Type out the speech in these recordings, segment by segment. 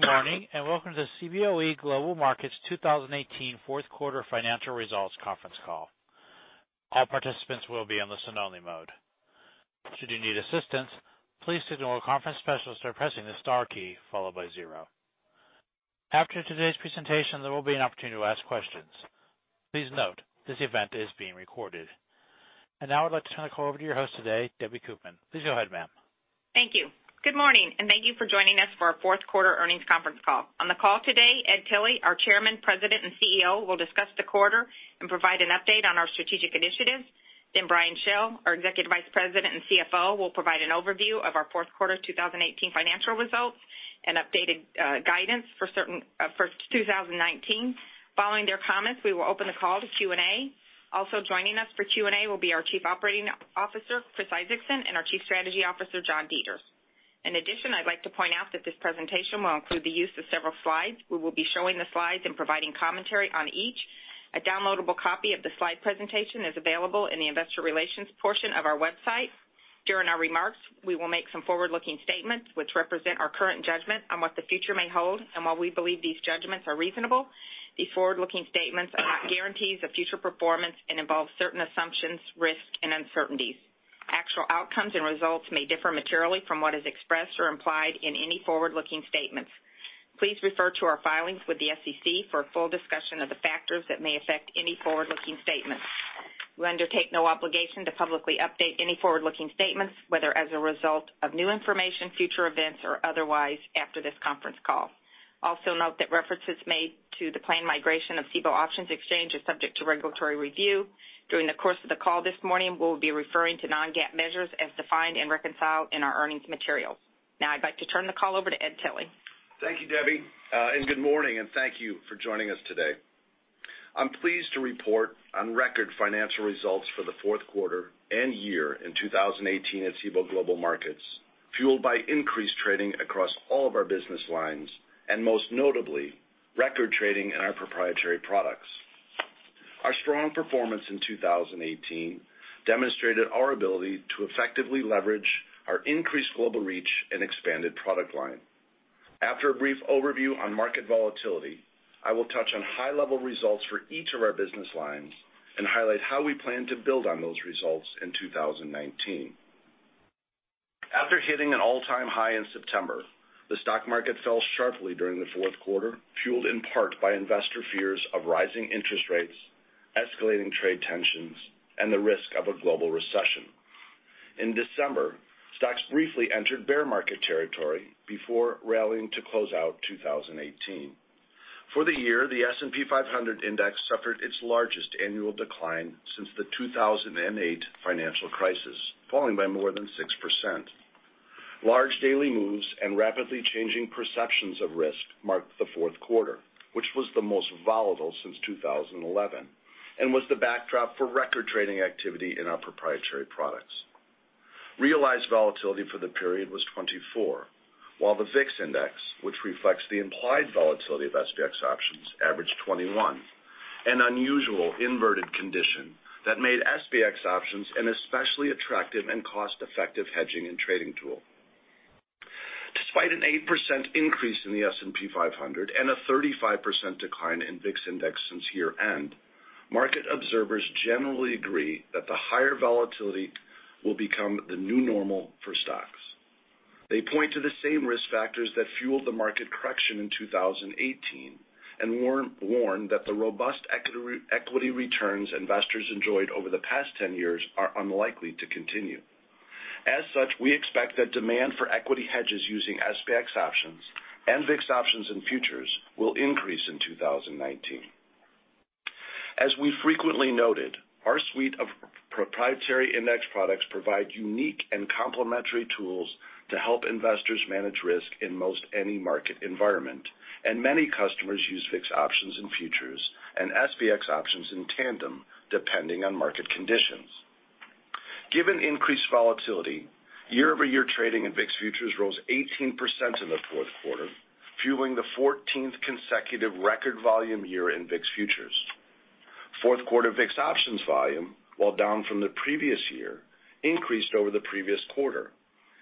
Good morning. Welcome to Cboe Global Markets 2018 Fourth Quarter Financial Results Conference Call. All participants will be on the listen only mode. Should you need assistance, please signal a conference specialist by pressing the star key followed by zero. After today's presentation, there will be an opportunity to ask questions. Please note, this event is being recorded. Now I'd like to turn the call over to your host today, Debbie Koopman. Please go ahead, ma'am. Thank you. Good morning. Thank you for joining us for our fourth quarter earnings conference call. On the call today, Ed Tilly, our Chairman, President, and CEO, will discuss the quarter and provide an update on our strategic initiatives. Brian Schell, our Executive Vice President and CFO, will provide an overview of our fourth quarter 2018 financial results and updated guidance for 2019. Following their comments, we will open the call to Q&A. Also joining us for Q&A will be our Chief Operating Officer, Chris Isaacson, and our Chief Strategy Officer, John Deters. In addition, I'd like to point out that this presentation will include the use of several slides. We will be showing the slides and providing commentary on each. A downloadable copy of the slide presentation is available in the investor relations portion of our website. During our remarks, we will make some forward-looking statements which represent our current judgment on what the future may hold. While we believe these judgments are reasonable, these forward-looking statements are not guarantees of future performance and involve certain assumptions, risk, and uncertainties. Actual outcomes and results may differ materially from what is expressed or implied in any forward-looking statements. Please refer to our filings with the SEC for a full discussion of the factors that may affect any forward-looking statements. We undertake no obligation to publicly update any forward-looking statements, whether as a result of new information, future events, or otherwise after this conference call. Also note that references made to the planned migration of Cboe Options Exchange is subject to regulatory review. During the course of the call this morning, we'll be referring to non-GAAP measures as defined and reconciled in our earnings materials. Now I'd like to turn the call over to Ed Tilly. Thank you, Debbie. Good morning, and thank you for joining us today. I'm pleased to report on record financial results for the fourth quarter and year in 2018 at Cboe Global Markets, fueled by increased trading across all of our business lines, and most notably, record trading in our proprietary products. Our strong performance in 2018 demonstrated our ability to effectively leverage our increased global reach and expanded product line. After a brief overview on market volatility, I will touch on high-level results for each of our business lines and highlight how we plan to build on those results in 2019. After hitting an all-time high in September, the stock market fell sharply during the fourth quarter, fueled in part by investor fears of rising interest rates, escalating trade tensions, and the risk of a global recession. In December, stocks briefly entered bear market territory before rallying to close out 2018. For the year, the S&P 500 Index suffered its largest annual decline since the 2008 financial crisis, falling by more than 6%. Large daily moves and rapidly changing perceptions of risk marked the fourth quarter, which was the most volatile since 2011 and was the backdrop for record trading activity in our proprietary products. Realized volatility for the period was 24, while the VIX Index, which reflects the implied volatility of SPX options, averaged 21, an unusual inverted condition that made SPX options an especially attractive and cost-effective hedging and trading tool. Despite an 8% increase in the S&P 500 and a 35% decline in VIX Index since year-end, market observers generally agree that the higher volatility will become the new normal for stocks. They point to the same risk factors that fueled the market correction in 2018 and warn that the robust equity returns investors enjoyed over the past 10 years are unlikely to continue. As such, we expect that demand for equity hedges using SPX options and VIX options and futures will increase in 2019. As we frequently noted, our suite of proprietary index products provide unique and complementary tools to help investors manage risk in most any market environment, and many customers use VIX options in futures and SPX options in tandem, depending on market conditions. Given increased volatility, year-over-year trading in VIX futures rose 18% in the fourth quarter, fueling the 14th consecutive record volume year in VIX futures. Fourth quarter VIX options volume, while down from the previous year, increased over the previous quarter,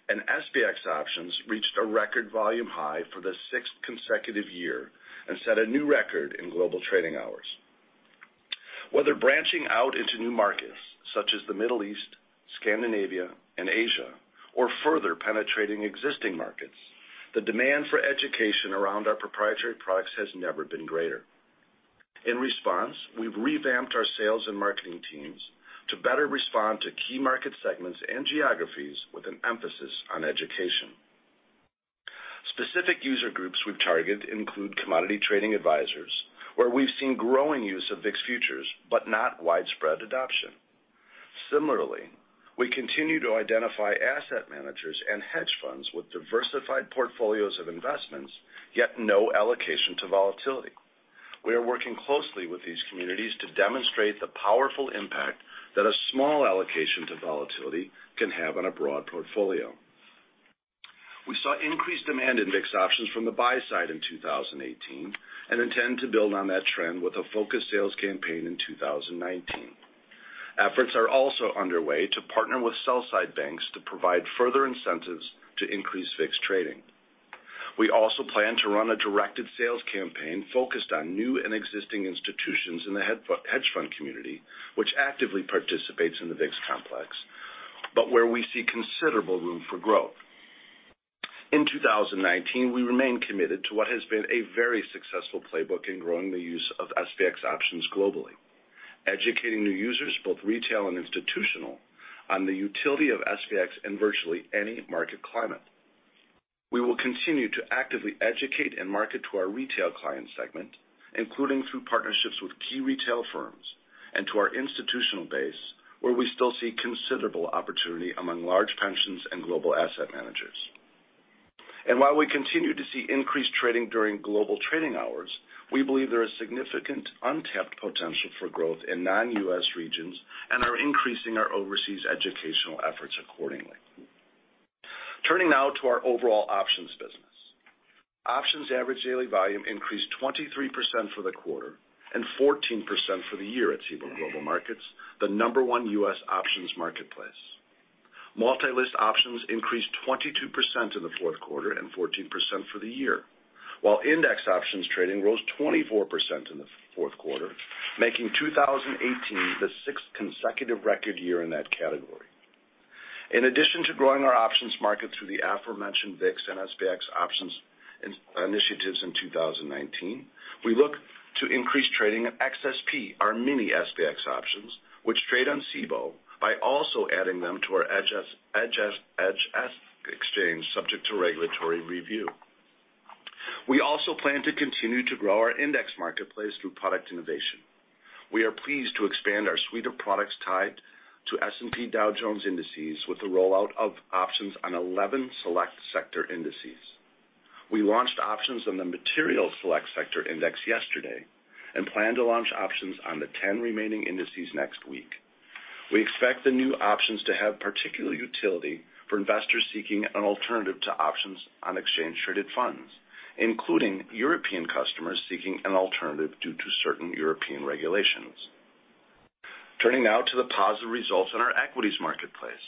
and SPX options reached a record volume high for the sixth consecutive year and set a new record in global trading hours. Whether branching out into new markets such as the Middle East, Scandinavia, and Asia, or further penetrating existing markets, the demand for education around our proprietary products has never been greater. In response, we've revamped our sales and marketing teams to better respond to key market segments and geographies with an emphasis on education. Specific user groups we've targeted include commodity trading advisors, where we've seen growing use of VIX futures, but not widespread adoption. Similarly, we continue to identify asset managers and hedge funds with diversified portfolios of investments, yet no allocation to volatility. We are working closely with these communities to demonstrate the powerful impact that a small allocation to volatility can have on a broad portfolio. We saw increased demand in VIX options from the buy side in 2018 and intend to build on that trend with a focused sales campaign in 2019. Efforts are also underway to partner with sell-side banks to provide further incentives to increase VIX trading. We also plan to run a directed sales campaign focused on new and existing institutions in the hedge fund community, which actively participates in the VIX complex, but where we see considerable room for growth. In 2019, we remain committed to what has been a very successful playbook in growing the use of SPX options globally, educating new users, both retail and institutional, on the utility of SPX in virtually any market climate. We will continue to actively educate and market to our retail client segment, including through partnerships with key retail firms, and to our institutional base, where we still see considerable opportunity among large pensions and global asset managers. While we continue to see increased trading during global trading hours, we believe there is significant untapped potential for growth in non-U.S. regions and are increasing our overseas educational efforts accordingly. Turning now to our overall options business. Options average daily volume increased 23% for the quarter and 14% for the year at Cboe Global Markets, the number one U.S. options marketplace. Multi-list options increased 22% in the fourth quarter and 14% for the year, while index options trading rose 24% in the fourth quarter, making 2018 the sixth consecutive record year in that category. In addition to growing our options market through the aforementioned VIX and SPX options initiatives in 2019, we look to increase trading of XSP, our Mini-SPX options, which trade on Cboe, by also adding them to our EDGA, EDGX exchange, subject to regulatory review. We also plan to continue to grow our index marketplace through product innovation. We are pleased to expand our suite of products tied to S&P Dow Jones Indices with the rollout of options on 11 Select Sector Indices. We launched options on the Materials Select Sector Index yesterday and plan to launch options on the 10 remaining indices next week. We expect the new options to have particular utility for investors seeking an alternative to options on exchange-traded funds, including European customers seeking an alternative due to certain European regulations. Turning now to the positive results in our equities marketplace.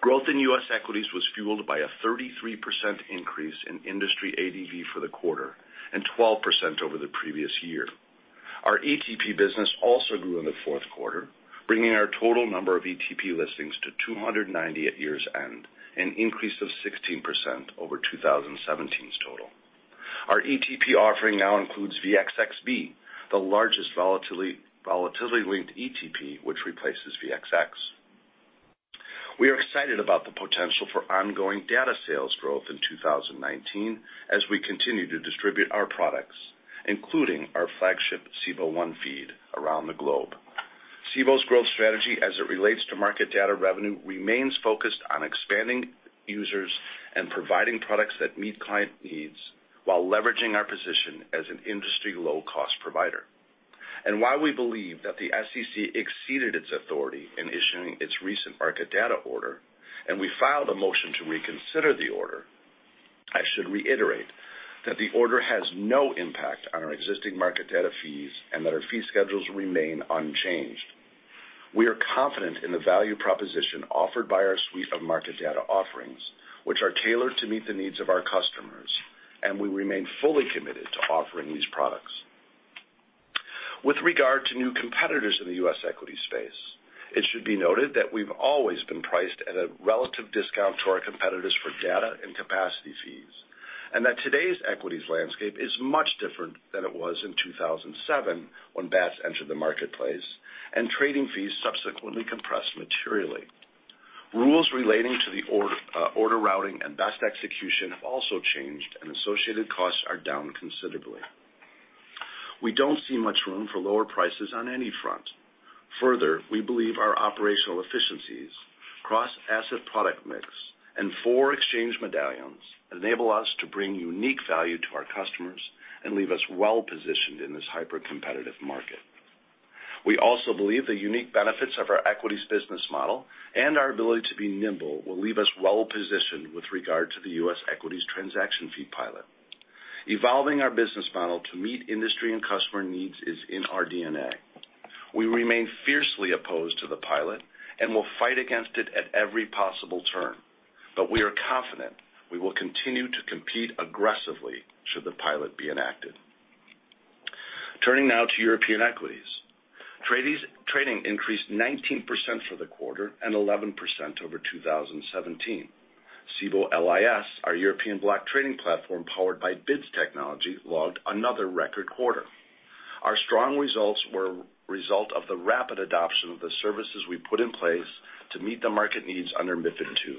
Growth in U.S. equities was fueled by a 33% increase in industry ADV for the quarter and 12% over the previous year. Our ETP business also grew in the fourth quarter, bringing our total number of ETP listings to 290 at year's end, an increase of 16% over 2017's total. Our ETP offering now includes VXXB, the largest volatility-linked ETP, which replaces VXX. We are excited about the potential for ongoing data sales growth in 2019 as we continue to distribute our products, including our flagship Cboe One Feed, around the globe. Cboe's growth strategy as it relates to market data revenue remains focused on expanding users and providing products that meet client needs while leveraging our position as an industry low-cost provider. While we believe that the SEC exceeded its authority in issuing its recent market data order, and we filed a motion to reconsider the order, I should reiterate that the order has no impact on our existing market data fees and that our fee schedules remain unchanged. We are confident in the value proposition offered by our suite of market data offerings, which are tailored to meet the needs of our customers, and we remain fully committed to offering these products. With regard to new competitors in the U.S. equities space, it should be noted that we've always been priced at a relative discount to our competitors for data and capacity fees, and that today's equities landscape is much different than it was in 2007 when Bats entered the marketplace and trading fees subsequently compressed materially. Rules relating to the order routing and best execution have also changed. Associated costs are down considerably. We don't see much room for lower prices on any front. Further, we believe our operational efficiencies, cross-asset product mix, and four exchange medallions enable us to bring unique value to our customers and leave us well positioned in this hyper-competitive market. We also believe the unique benefits of our equities business model and our ability to be nimble will leave us well positioned with regard to the U.S. equities transaction fee pilot. Evolving our business model to meet industry and customer needs is in our DNA. We remain fiercely opposed to the pilot and will fight against it at every possible turn. We are confident we will continue to compete aggressively should the pilot be enacted. Turning now to European equities. Trading increased 19% for the quarter and 11% over 2017. Cboe LIS, our European block trading platform powered by BIDS technology, logged another record quarter. Our strong results were a result of the rapid adoption of the services we put in place to meet the market needs under MiFID II.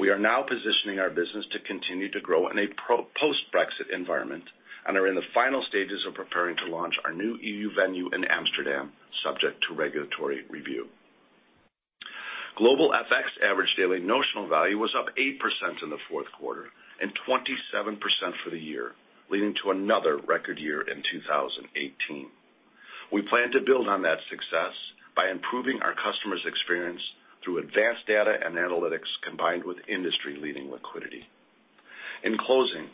We are now positioning our business to continue to grow in a post-Brexit environment and are in the final stages of preparing to launch our new EU venue in Amsterdam, subject to regulatory review. Global FX average daily notional value was up 8% in the fourth quarter and 27% for the year, leading to another record year in 2018. We plan to build on that success by improving our customers' experience through advanced data and analytics combined with industry-leading liquidity. In closing,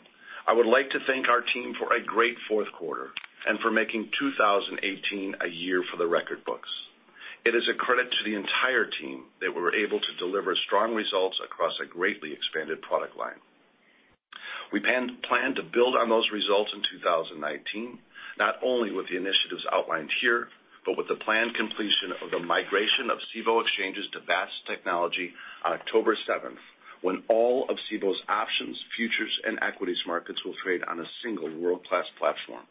I would like to thank our team for a great fourth quarter and for making 2018 a year for the record books. It is a credit to the entire team that we were able to deliver strong results across a greatly expanded product line. We plan to build on those results in 2019, not only with the initiatives outlined here, but with the planned completion of the migration of Cboe exchanges to Bats technology on October 7th, when all of Cboe's options, futures, and equities markets will trade on a single world-class platform.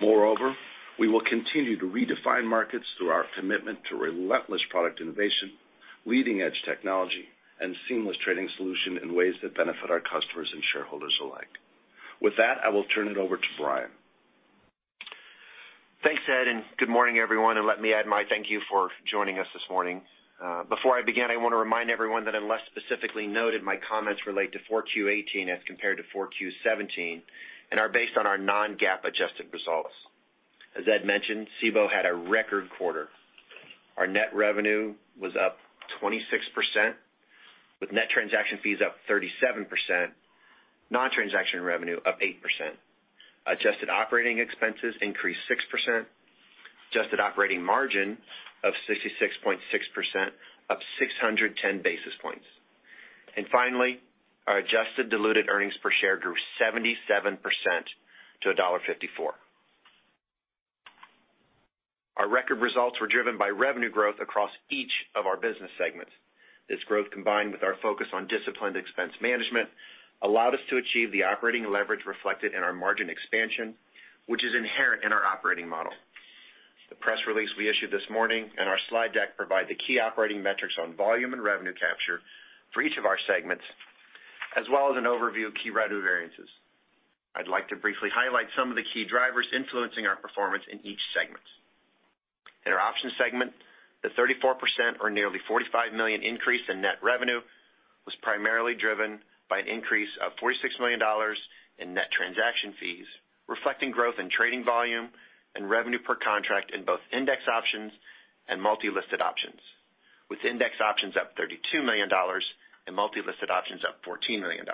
Moreover, we will continue to redefine markets through our commitment to relentless product innovation, leading-edge technology, and seamless trading solution in ways that benefit our customers and shareholders alike. With that, I will turn it over to Brian. Thanks, Ed, good morning, everyone. Let me add my thank you for joining us this morning. Before I begin, I want to remind everyone that unless specifically noted, my comments relate to 4Q 2018 as compared to 4Q 2017 and are based on our non-GAAP adjusted results. As Ed mentioned, Cboe had a record quarter. Our net revenue was up 26%, with net transaction fees up 37%, non-transaction revenue up 8%. Adjusted operating expenses increased 6%, adjusted operating margin of 66.6%, up 610 basis points. Finally, our adjusted diluted earnings per share grew 77% to $1.54. Our record results were driven by revenue growth across each of our business segments. This growth, combined with our focus on disciplined expense management, allowed us to achieve the operating leverage reflected in our margin expansion, which is inherent in our operating model. The press release we issued this morning and our slide deck provide the key operating metrics on volume and revenue capture for each of our segments, as well as an overview of key revenue variances. I'd like to briefly highlight some of the key drivers influencing our performance in each segment. In our option segment, the 34%, or nearly $45 million increase in net revenue was primarily driven by an increase of $46 million in net transaction fees, reflecting growth in trading volume and revenue per contract in both index options and multi-listed options, with index options up $32 million and multi-listed options up $14 million.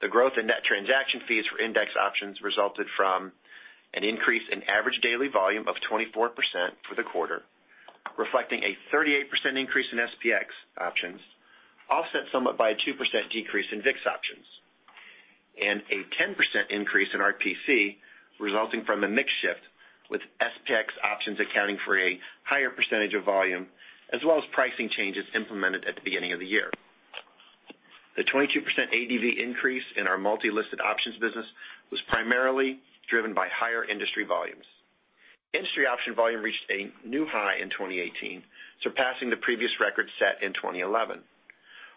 The growth in net transaction fees for index options resulted from an increase in average daily volume of 24% for the quarter, reflecting a 38% increase in SPX options, offset somewhat by a 2% decrease in VIX options, and a 10% increase in RPC resulting from a mix shift, with SPX options accounting for a higher percentage of volume as well as pricing changes implemented at the beginning of the year. The 22% ADV increase in our multi-listed options business was primarily driven by higher industry volumes. Industry option volume reached a new high in 2018, surpassing the previous record set in 2011.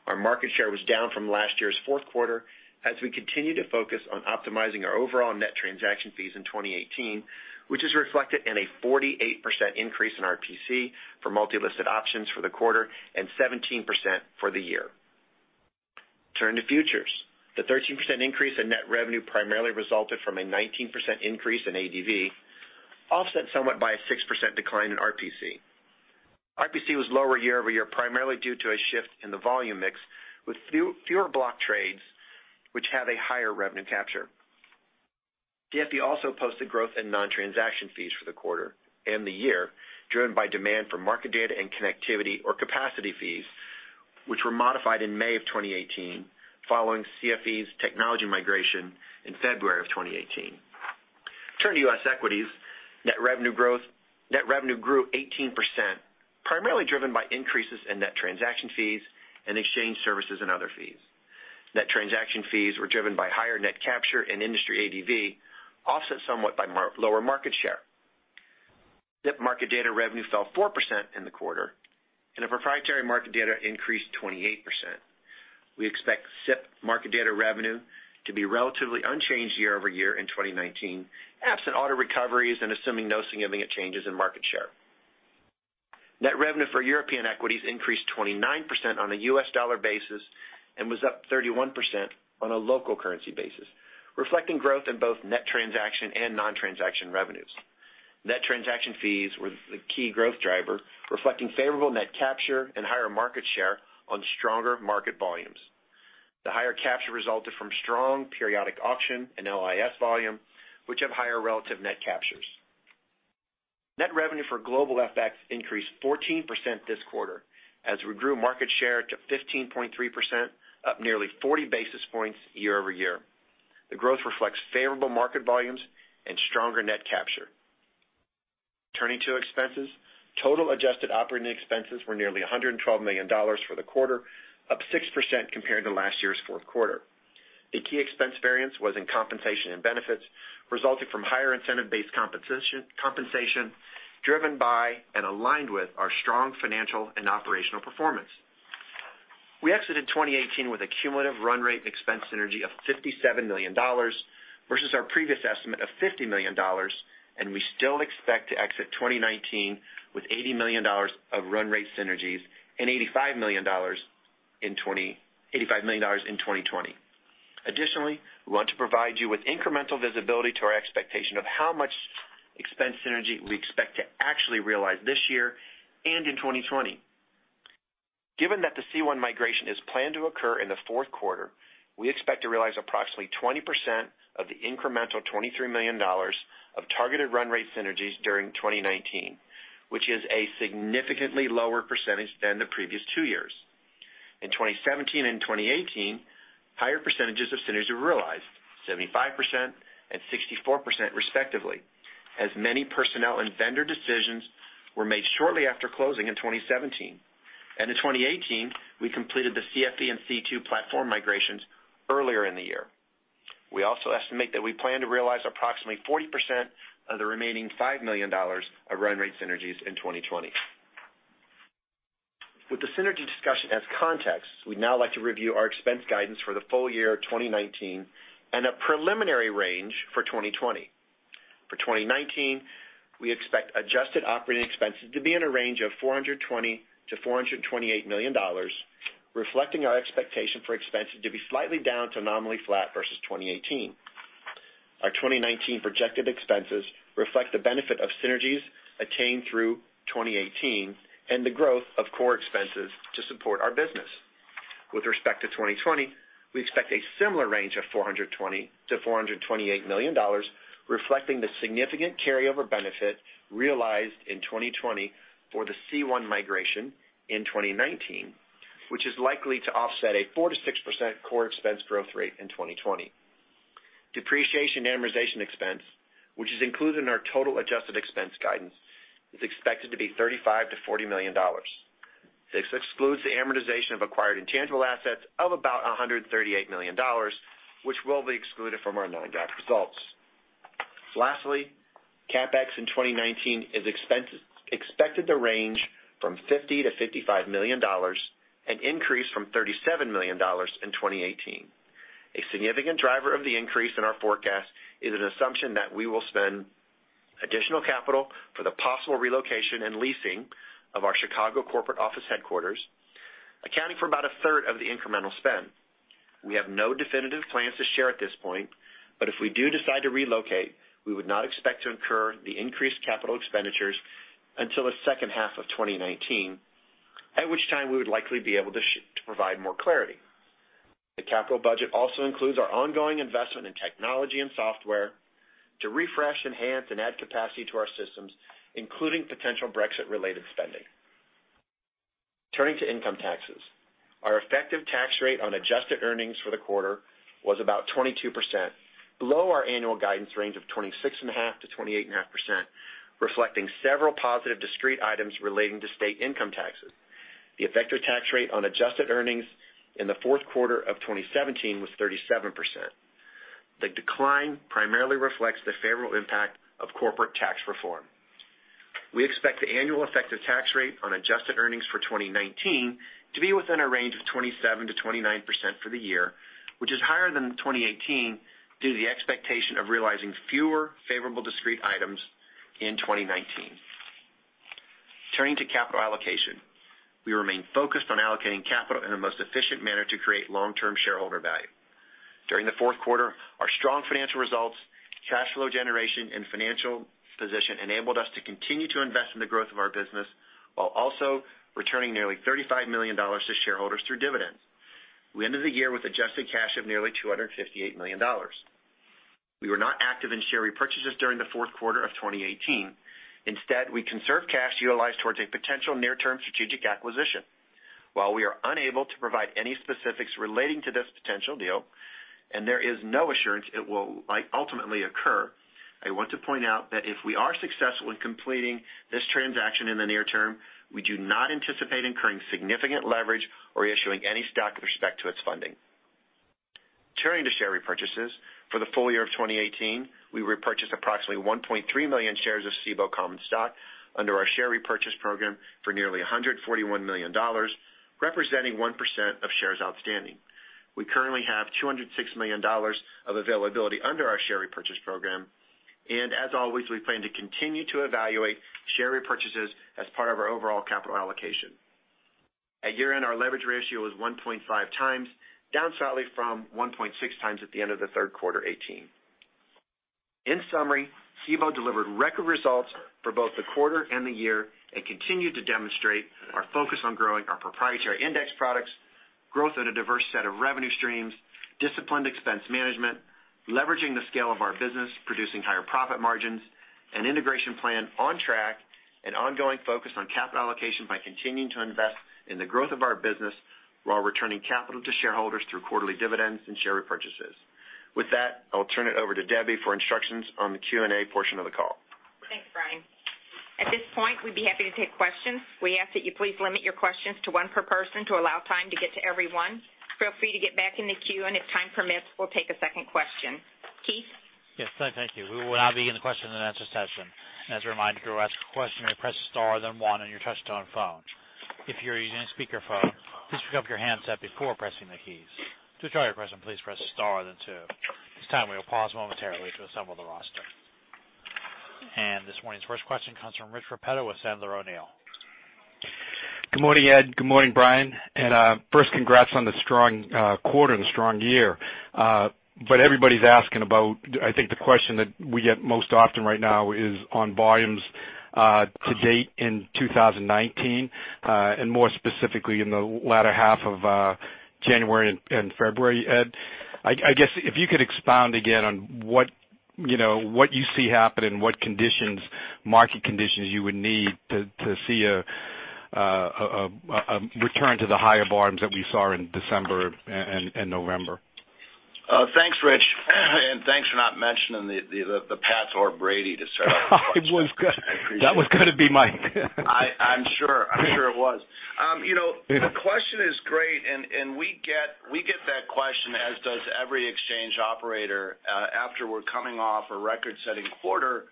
Our market share was down from last year's fourth quarter as we continue to focus on optimizing our overall net transaction fees in 2018, which is reflected in a 48% increase in RPC for multi-listed options for the quarter and 17% for the year. Turning to futures. The 13% increase in net revenue primarily resulted from a 19% increase in ADV, offset somewhat by a 6% decline in RPC. RPC was lower year-over-year, primarily due to a shift in the volume mix with fewer block trades, which have a higher revenue capture. CFE also posted growth in non-transaction fees for the quarter and the year, driven by demand for market data and connectivity or capacity fees, which were modified in May of 2018 following CFE's technology migration in February of 2018. Turning to U.S. equities. Net revenue grew 18%, primarily driven by increases in net transaction fees and exchange services and other fees. Net transaction fees were driven by higher net capture and industry ADV, offset somewhat by lower market share. SIP market data revenue fell 4% in the quarter, and proprietary market data increased 28%. We expect SIP market data revenue to be relatively unchanged year-over-year in 2019, absent auto recoveries and assuming no significant changes in market share. Net revenue for European equities increased 29% on a U.S. dollar basis and was up 31% on a local currency basis, reflecting growth in both net transaction and non-transaction revenues. Net transaction fees were the key growth driver, reflecting favorable net capture and higher market share on stronger market volumes. The higher capture resulted from strong periodic auction and Cboe LIS volume, which have higher relative net captures. Net revenue for global FX increased 14% this quarter as we grew market share to 15.3%, up nearly 40 basis points year-over-year. The growth reflects favorable market volumes and stronger net capture. Turning to expenses. Total adjusted operating expenses were nearly $112 million for the quarter, up 6% compared to last year's fourth quarter. A key expense variance was in compensation and benefits, resulting from higher incentive-based compensation, driven by and aligned with our strong financial and operational performance. We exited 2018 with a cumulative run rate expense synergy of $57 million versus our previous estimate of $50 million, and we still expect to exit 2019 with $80 million of run rate synergies and $85 million in 2020. Additionally, we want to provide you with incremental visibility to our expectation of how much expense synergy we expect to actually realize this year and in 2020. Given that the C1 migration is planned to occur in the fourth quarter, we expect to realize approximately 20% of the incremental $23 million of targeted run rate synergies during 2019, which is a significantly lower percentage than the previous two years. In 2017 and 2018, higher percentages of synergies were realized, 75% and 64% respectively, as many personnel and vendor decisions were made shortly after closing in 2017. In 2018, we completed the CFE and C2 platform migrations earlier in the year. We also estimate that we plan to realize approximately 40% of the remaining $5 million of run rate synergies in 2020. With the synergy discussion as context, we'd now like to review our expense guidance for the full year 2019 and a preliminary range for 2020. For 2019, we expect adjusted operating expenses to be in a range of $420 million-$428 million, reflecting our expectation for expenses to be slightly down to nominally flat versus 2018. Our 2019 projected expenses reflect the benefit of synergies attained through 2018 and the growth of core expenses to support our business. With respect to 2020, we expect a similar range of $420 million-$428 million, reflecting the significant carryover benefit realized in 2020 for the C1 migration in 2019, which is likely to offset a 4%-6% core expense growth rate in 2020. Depreciation and amortization expense, which is included in our total adjusted expense guidance, is expected to be $35 million-$40 million. This excludes the amortization of acquired intangible assets of about $138 million, which will be excluded from our non-GAAP results. Lastly, CapEx in 2019 is expected to range from $50 million-$55 million, an increase from $37 million in 2018. A significant driver of the increase in our forecast is an assumption that we will spend additional capital for the possible relocation and leasing of our Chicago corporate office headquarters, accounting for about a third of the incremental spend. If we do decide to relocate, we would not expect to incur the increased capital expenditures until the second half of 2019, at which time we would likely be able to provide more clarity. The capital budget also includes our ongoing investment in technology and software to refresh, enhance, and add capacity to our systems, including potential Brexit-related spending. Turning to income taxes. Our effective tax rate on adjusted earnings for the quarter was about 22%, below our annual guidance range of 26.5%-28.5%, reflecting several positive discrete items relating to state income taxes. The effective tax rate on adjusted earnings in the fourth quarter of 2017 was 37%. The decline primarily reflects the favorable impact of corporate tax reform. We expect the annual effective tax rate on adjusted earnings for 2019 to be within a range of 27%-29% for the year, which is higher than 2018 due to the expectation of realizing fewer favorable discrete items in 2019. Turning to capital allocation. We remain focused on allocating capital in the most efficient manner to create long-term shareholder value. During the fourth quarter, our strong financial results, cash flow generation, and financial position enabled us to continue to invest in the growth of our business while also returning nearly $35 million to shareholders through dividends. We ended the year with adjusted cash of nearly $258 million. We were not active in share repurchases during the fourth quarter of 2018. Instead, we conserved cash utilized towards a potential near-term strategic acquisition. While we are unable to provide any specifics relating to this potential deal, and there is no assurance it will ultimately occur, I want to point out that if we are successful in completing this transaction in the near term, we do not anticipate incurring significant leverage or issuing any stock with respect to its funding. Turning to share repurchases. For the full year of 2018, we repurchased approximately 1.3 million shares of Cboe common stock under our share repurchase program for nearly $141 million, representing 1% of shares outstanding. As always, we plan to continue to evaluate share repurchases as part of our overall capital allocation. At year-end, our leverage ratio was 1.5x, down slightly from 1.6x at the end of the third quarter 2018. In summary, Cboe delivered record results for both the quarter and the year and continued to demonstrate our focus on growing our proprietary index products, growth at a diverse set of revenue streams, disciplined expense management, leveraging the scale of our business, producing higher profit margins, an integration plan on track, and ongoing focus on capital allocation by continuing to invest in the growth of our business while returning capital to shareholders through quarterly dividends and share repurchases. With that, I'll turn it over to Debbie for instructions on the Q&A portion of the call. Thanks, Brian. At this point, we'd be happy to take questions. We ask that you please limit your questions to one per person to allow time to get to everyone. Feel free to get back in the queue, and if time permits, we'll take a second question. Keith? Yes. Thank you. We will now begin the question and answer session. As a reminder, to ask a question, press star then one on your touch-tone phone. If you're using a speakerphone, please pick up your handset before pressing the keys. To withdraw your question, please press star then two. At this time, we will pause momentarily to assemble the roster. This morning's first question comes from Rich Repetto with Sandler O'Neill. Good morning, Ed. Good morning, Brian. First, congrats on the strong quarter and the strong year. Everybody's asking about, I think the question that we get most often right now is on volumes. To date in 2019, and more specifically in the latter half of January and February, Ed. I guess if you could expound again on what you see happening and what market conditions you would need to see a return to the higher volumes that we saw in December and November. Thanks, Rich. Thanks for not mentioning the Pats or Brady to start off the question. That was going to be my I'm sure it was. The question is great, we get that question, as does every exchange operator, after we're coming off a record-setting quarter,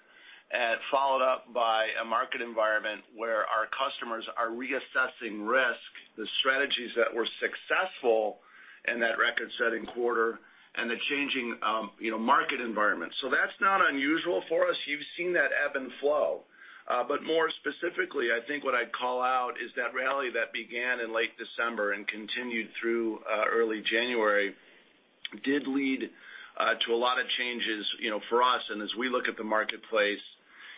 followed up by a market environment where our customers are reassessing risk, the strategies that were successful in that record-setting quarter and the changing market environment. That's not unusual for us. You've seen that ebb and flow. More specifically, I think what I'd call out is that rally that began in late December and continued through early January did lead to a lot of changes for us. As we look at the marketplace,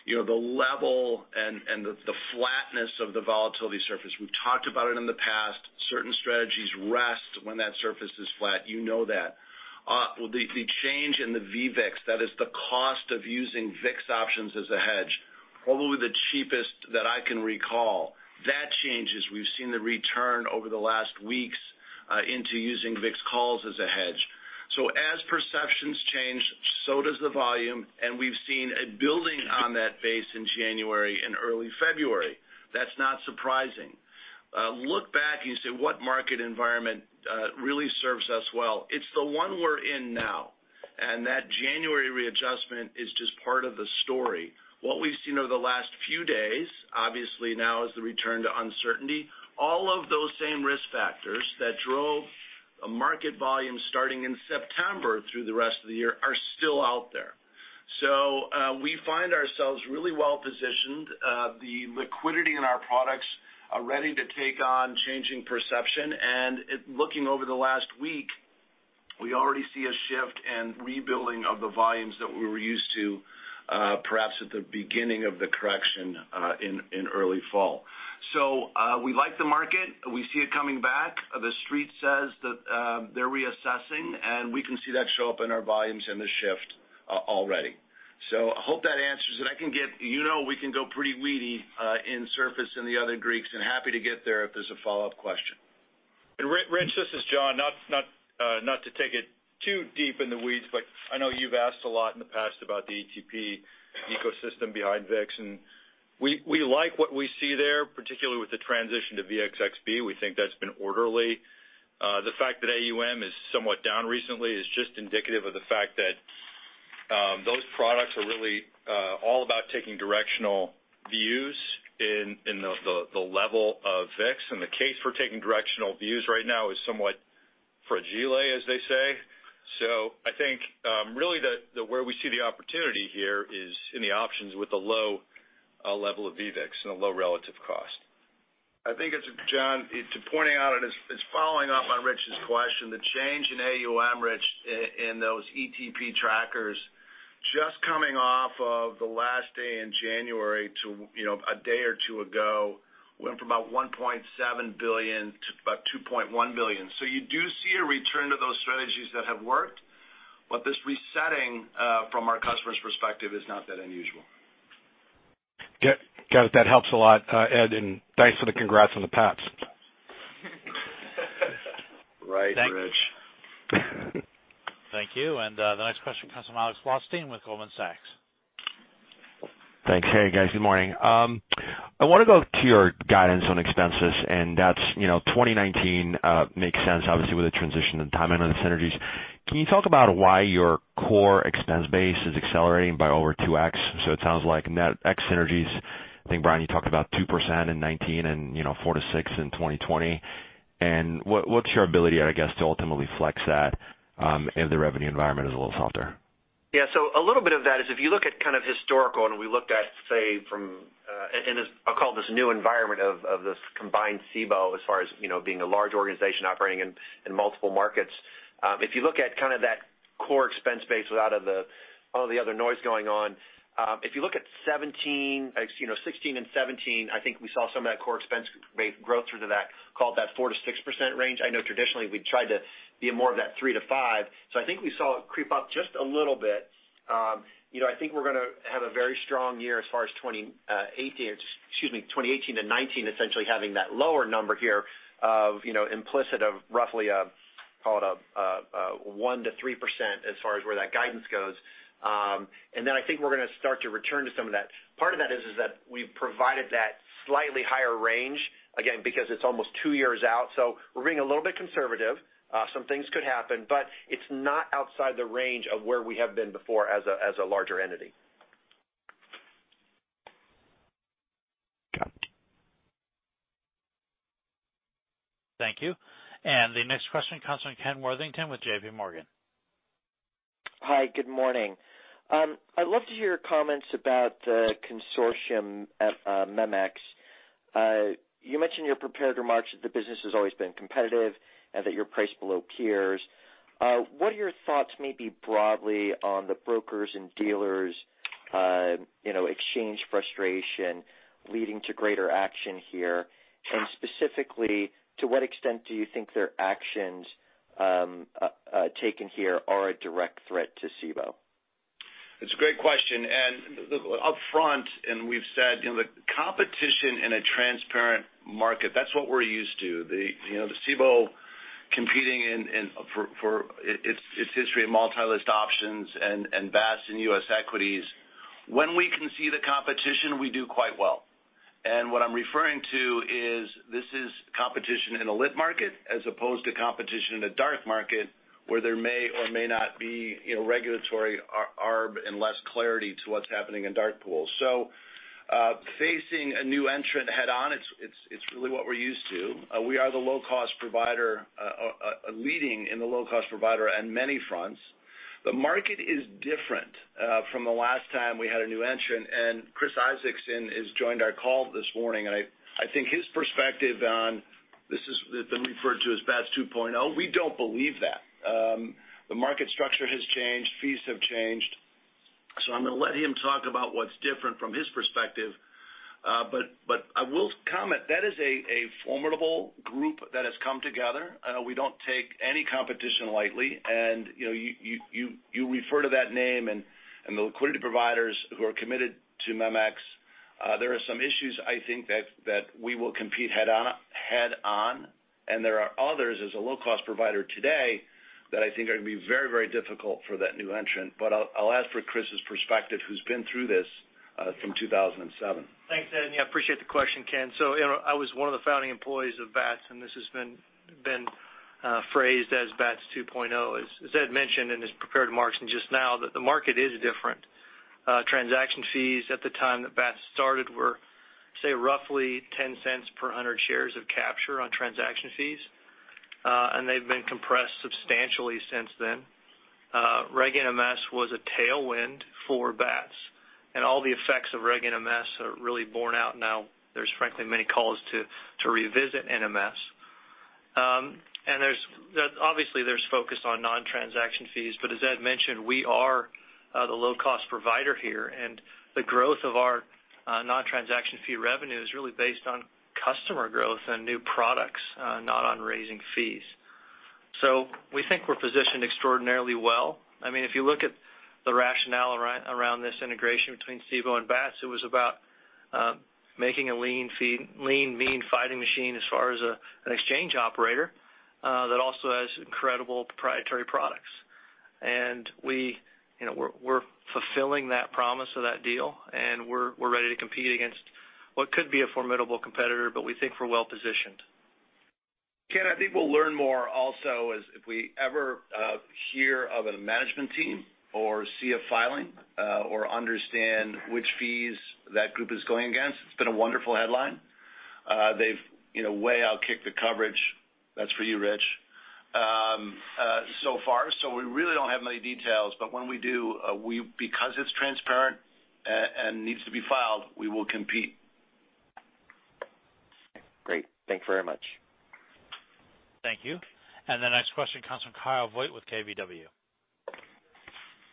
the level and the flatness of the volatility surface, we've talked about it in the past. Certain strategies rest when that surface is flat, you know that. The change in the VVIX, that is the cost of using VIX options as a hedge, probably the cheapest that I can recall. That changes. We've seen the return over the last weeks into using VIX calls as a hedge. As perceptions change, so does the volume, we've seen it building on that base in January and early February. That's not surprising. Look back and you say, what market environment really serves us well? It's the one we're in now, that January readjustment is just part of the story. What we've seen over the last few days, obviously now, is the return to uncertainty. All of those same risk factors that drove market volume starting in September through the rest of the year are still out there. We find ourselves really well-positioned. The liquidity in our products are ready to take on changing perception. Looking over the last week, we already see a shift and rebuilding of the volumes that we were used to perhaps at the beginning of the correction in early fall. We like the market. We see it coming back. The Street says that they're reassessing, and we can see that show up in our volumes and the shift already. I hope that answers it. You know we can go pretty weedy in surface in the other Greeks, and happy to get there if there's a follow-up question. Rich, this is John. Not to take it too deep in the weeds, I know you've asked a lot in the past about the ETP ecosystem behind VIX, We like what we see there, particularly with the transition to VXXB. We think that's been orderly. The fact that AUM is somewhat down recently is just indicative of the fact that those products are really all about taking directional views in the level of VIX. The case for taking directional views right now is somewhat fragile, as they say. I think really where we see the opportunity here is in the options with a low level of VVIX and a low relative cost. I think, John, to point out, it's following up on Rich's question. The change in AUM, Rich, in those ETP trackers, just coming off of the last day in January to a day or two ago, went from about $1.7 billion to about $2.1 billion. You do see a return to those strategies that have worked. This resetting from our customer's perspective is not that unusual. Got it. That helps a lot, Ed, Thanks for the congrats on the Pats. Right, Rich. Thank you. The next question comes from Alex Blostein with Goldman Sachs. Thanks. Hey, guys. Good morning. I want to go to your guidance on expenses, that's 2019 makes sense, obviously, with the transition and timing on the synergies. Can you talk about why your core expense base is accelerating by over 2x? It sounds like net X synergies, I think, Brian, you talked about 2% in 2019 and 4%-6% in 2020. What's your ability, I guess, to ultimately flex that if the revenue environment is a little softer? Yeah. A little bit of that is if you look at kind of historical and we looked at, say, I'll call this new environment of this combined Cboe as far as being a large organization operating in multiple markets. If you look at kind of that core expense base without all the other noise going on, if you look at 2016 and 2017, I think we saw some of that core expense base growth through to that, call it that 4%-6% range. I know traditionally we've tried to be more of that 3%-5%. I think we saw it creep up just a little bit. I think we're going to have a very strong year as far as 2018 to 2019, essentially having that lower number here of implicit of roughly, call it a 1%-3% as far as where that guidance goes. I think we're going to start to return to some of that. Part of that is that we've provided that slightly higher range, again, because it's almost two years out. We're being a little bit conservative. Some things could happen, it's not outside the range of where we have been before as a larger entity. Got it. Thank you. The next question comes from Ken Worthington with JPMorgan. Hi, good morning. I'd love to hear your comments about the consortium at MEMX. You mentioned in your prepared remarks that the business has always been competitive and that you're priced below peers. What are your thoughts maybe broadly on the brokers' and dealers' exchange frustration leading to greater action here? Specifically, to what extent do you think their actions taken here are a direct threat to Cboe? It's a great question. Upfront, we've said, the competition in a transparent market, that's what we're used to. The Cboe competing in, for its history of multi-list options and Bats in U.S. equities. When we can see the competition, we do quite well. What I'm referring to is this is competition in a lit market as opposed to competition in a dark market where there may or may not be regulatory arb and less clarity to what's happening in dark pools. Facing a new entrant head on, it's really what we're used to. We are the low-cost provider, leading in the low-cost provider on many fronts. The market is different from the last time we had a new entrant, Chris Isaacson has joined our call this morning. I think his perspective on, this has been referred to as Bats 2.0. We don't believe that. The market structure has changed, fees have changed. I'm going to let him talk about what's different from his perspective. I will comment, that is a formidable group that has come together. We don't take any competition lightly, you refer to that name and the liquidity providers who are committed to MEMX. There are some issues, I think that we will compete head on, there are others as a low-cost provider today that I think are going to be very difficult for that new entrant. I'll ask for Chris's perspective, who's been through this from 2007. Thanks, Ed. Appreciate the question, Ken. I was one of the founding employees of Bats, this has been phrased as Bats 2.0. As Ed mentioned in his prepared remarks and just now, that the market is different. Transaction fees at the time that Bats started were, say, roughly $0.10 per 100 shares of capture on transaction fees. They've been compressed substantially since then. Reg NMS was a tailwind for Bats, all the effects of Reg NMS are really borne out now. There's frankly many calls to revisit NMS. Obviously, there's focus on non-transaction fees. As Ed mentioned, we are the low-cost provider here, the growth of our non-transaction fee revenue is really based on customer growth and new products, not on raising fees. We think we're positioned extraordinarily well. If you look at the rationale around this integration between Cboe and Bats, it was about making a lean, mean, fighting machine as far as an exchange operator that also has incredible proprietary products. We're fulfilling that promise of that deal, we're ready to compete against what could be a formidable competitor, we think we're well-positioned. Ken, I think we'll learn more also as if we ever hear of a management team or see a filing or understand which fees that group is going against. It's been a wonderful headline. They've way out-kicked the coverage. That's for you, Rich, so far. We really don't have many details, but when we do, because it's transparent and needs to be filed, we will compete. Great. Thank you very much. Thank you. The next question comes from Kyle Voigt with KBW.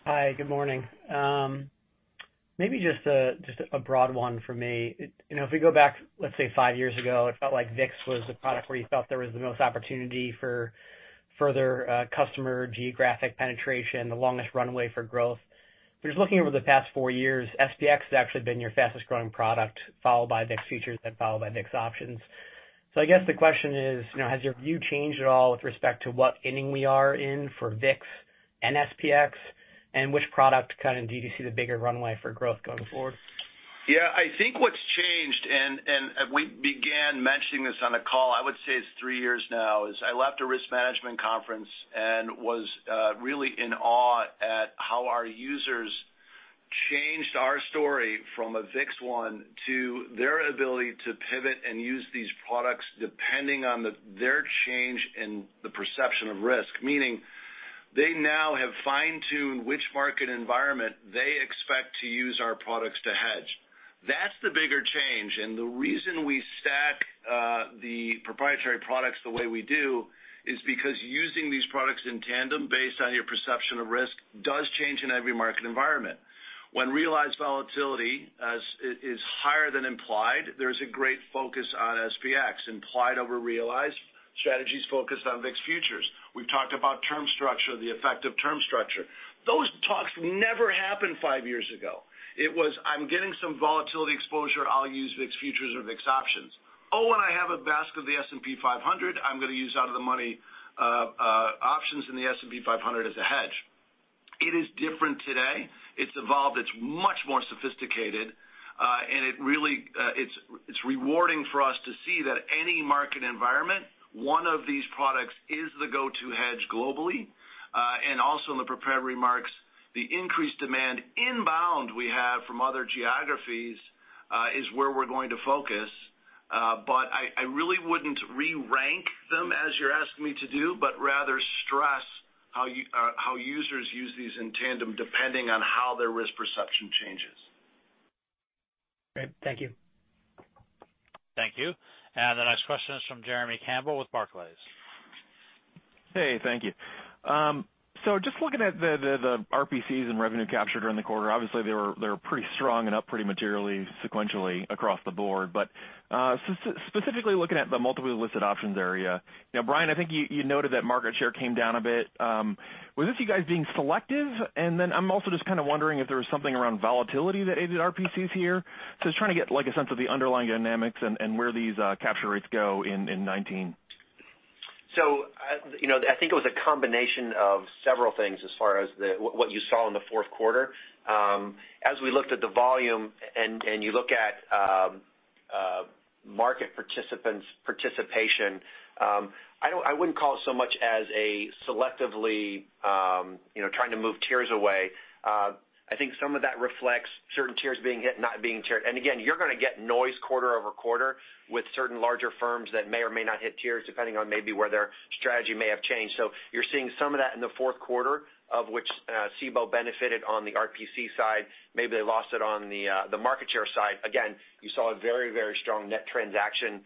Hi, good morning. Maybe just a broad one from me. If we go back, let's say, five years ago, it felt like VIX was the product where you felt there was the most opportunity for further customer geographic penetration, the longest runway for growth. Just looking over the past four years, SPX has actually been your fastest-growing product, followed by VIX futures, then followed by VIX options. I guess the question is, has your view changed at all with respect to what inning we are in for VIX and SPX, and which product do you see the bigger runway for growth going forward? I think what's changed, we began mentioning this on a call, I would say it's three years now. Is I left a risk management conference and was really in awe at how our users changed our story from a VIX one to their ability to pivot and use these products depending on their change in the perception of risk. Meaning they now have fine-tuned which market environment they expect to use our products to hedge. That's the bigger change, the reason we stack the proprietary products the way we do is because using these products in tandem based on your perception of risk does change in every market environment. When realized volatility is higher than implied, there's a great focus on SPX. Implied over realized strategies focus on VIX futures. We've talked about term structure, the effect of term structure. Those talks never happened five years ago. It was, "I'm getting some volatility exposure, I'll use VIX futures or VIX options. Oh, and I have a basket of the S&P 500, I'm going to use out of the money options in the S&P 500 as a hedge." It is different today. It's evolved. It's much more sophisticated. It's rewarding for us to see that any market environment, one of these products is the go-to hedge globally. Also in the prepared remarks, the increased demand inbound we have from other geographies is where we're going to focus. I really wouldn't re-rank, but rather stress how users use these in tandem depending on how their risk perception changes. Great. Thank you. Thank you. The next question is from Jeremy Campbell with Barclays. Thank you. Just looking at the RPCs and revenue capture during the quarter, obviously they were pretty strong and up pretty materially sequentially across the board. Specifically looking at the multiply-listed options area. Brian, I think you noted that market share came down a bit. Was this you guys being selective? I am also just kind of wondering if there was something around volatility that aided RPCs here. Just trying to get a sense of the underlying dynamics and where these capture rates go in 2019. I think it was a combination of several things as far as what you saw in the fourth quarter. As we looked at the volume and you look at market participants' participation, I wouldn't call it so much as a selectively trying to move tiers away. I think some of that reflects certain tiers being hit, not being tiered. Again, you are going to get noise quarter-over-quarter with certain larger firms that may or may not hit tiers, depending on maybe where their strategy may have changed. You are seeing some of that in the fourth quarter, of which Cboe benefited on the RPC side. Maybe they lost it on the market share side. Again, you saw a very strong net transaction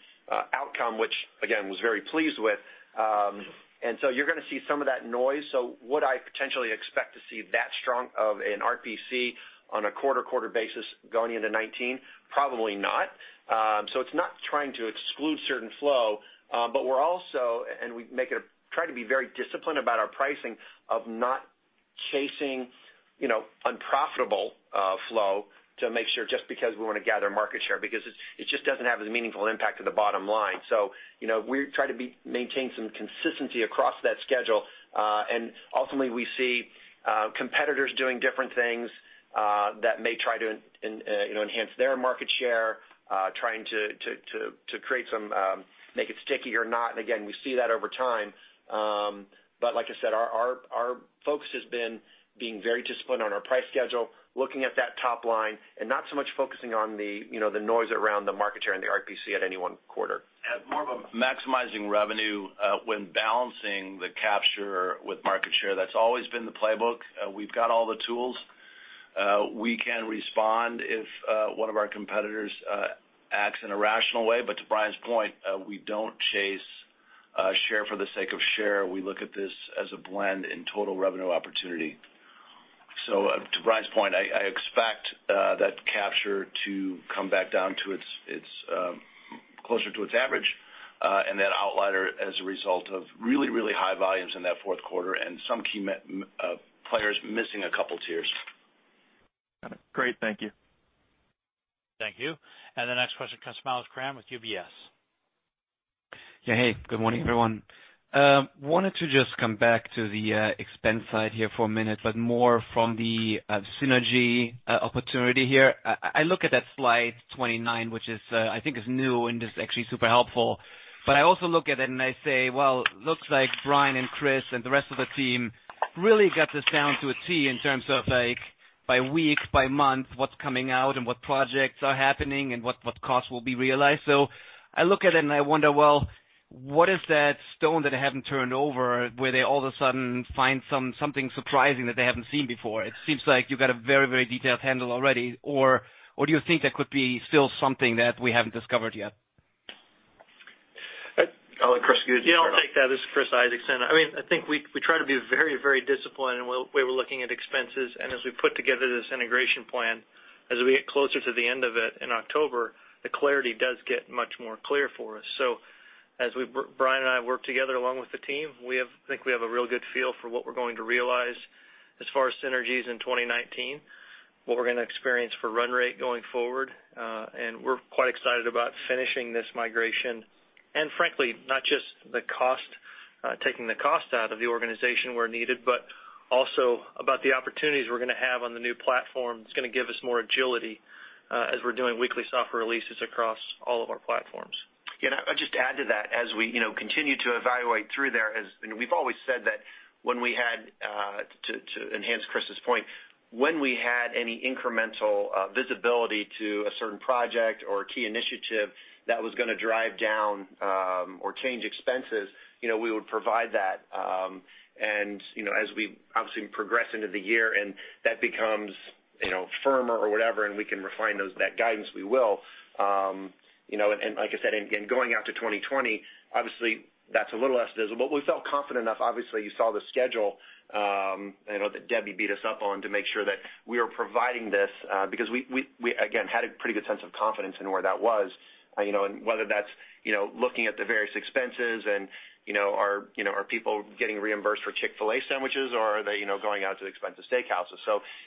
outcome, which again, was very pleased with. You are going to see some of that noise. Would I potentially expect to see that strong of an RPC on a quarter-over-quarter basis going into 2019? Probably not. It is not trying to exclude certain flow. We are also, and we try to be very disciplined about our pricing of not chasing unprofitable flow to make sure just because we want to gather market share, because it just doesn't have as meaningful impact to the bottom line. We try to maintain some consistency across that schedule. Ultimately, we see competitors doing different things that may try to enhance their market share, trying to make it sticky or not. Again, we see that over time. But like I said, our focus has been being very disciplined on our price schedule, looking at that top line and not so much focusing on the noise around the market share and the RPC at any one quarter. More of a maximizing revenue when balancing the capture with market share. That's always been the playbook. We've got all the tools. We can respond if one of our competitors acts in a rational way, but to Brian's point, we don't chase share for the sake of share. We look at this as a blend in total revenue opportunity. To Brian's point, I expect that capture to come back down closer to its average. That outlier as a result of really high volumes in that fourth quarter and some key players missing a couple tiers. Got it. Great. Thank you. Thank you. The next question comes from Alex Kramm with UBS. Hey, good morning, everyone. Wanted to just come back to the expense side here for a minute, more from the synergy opportunity here. I look at that slide 29, which is I think is new and is actually super helpful. I also look at it and I say, "Well, looks like Brian and Chris and the rest of the team really got this down to a T in terms of, by week, by month, what's coming out and what projects are happening and what costs will be realized." I look at it and I wonder, well, what is that stone that I haven't turned over, where they all of a sudden find something surprising that they haven't seen before? It seems like you got a very detailed handle already. Do you think there could be still something that we haven't discovered yet? I'll let Chris. Yeah, I'll take that. This is Chris Isaacson. I think we try to be very disciplined in way we're looking at expenses. As we put together this integration plan, as we get closer to the end of it in October, the clarity does get much more clear for us. As Brian and I work together along with the team, I think we have a real good feel for what we're going to realize as far as synergies in 2019, what we're going to experience for run rate going forward. We're quite excited about finishing this migration. Frankly, not just taking the cost out of the organization where needed, but also about the opportunities we're going to have on the new platform that's going to give us more agility as we're doing weekly software releases across all of our platforms. Yeah, I'll just add to that, as we continue to evaluate through there. We've always said that when we had to enhance Chris's point, when we had any incremental visibility to a certain project or a key initiative that was going to drive down or change expenses, we would provide that. As we obviously progress into the year and that becomes firmer or whatever, and we can refine that guidance, we will. Like I said, and going out to 2020, obviously that's a little less visible, but we felt confident enough. Obviously, you saw the schedule that Debbie beat us up on to make sure that we are providing this because we, again, had a pretty good sense of confidence in where that was. Whether that's looking at the various expenses and are people getting reimbursed for Chick-fil-A sandwiches or are they going out to expensive steakhouses.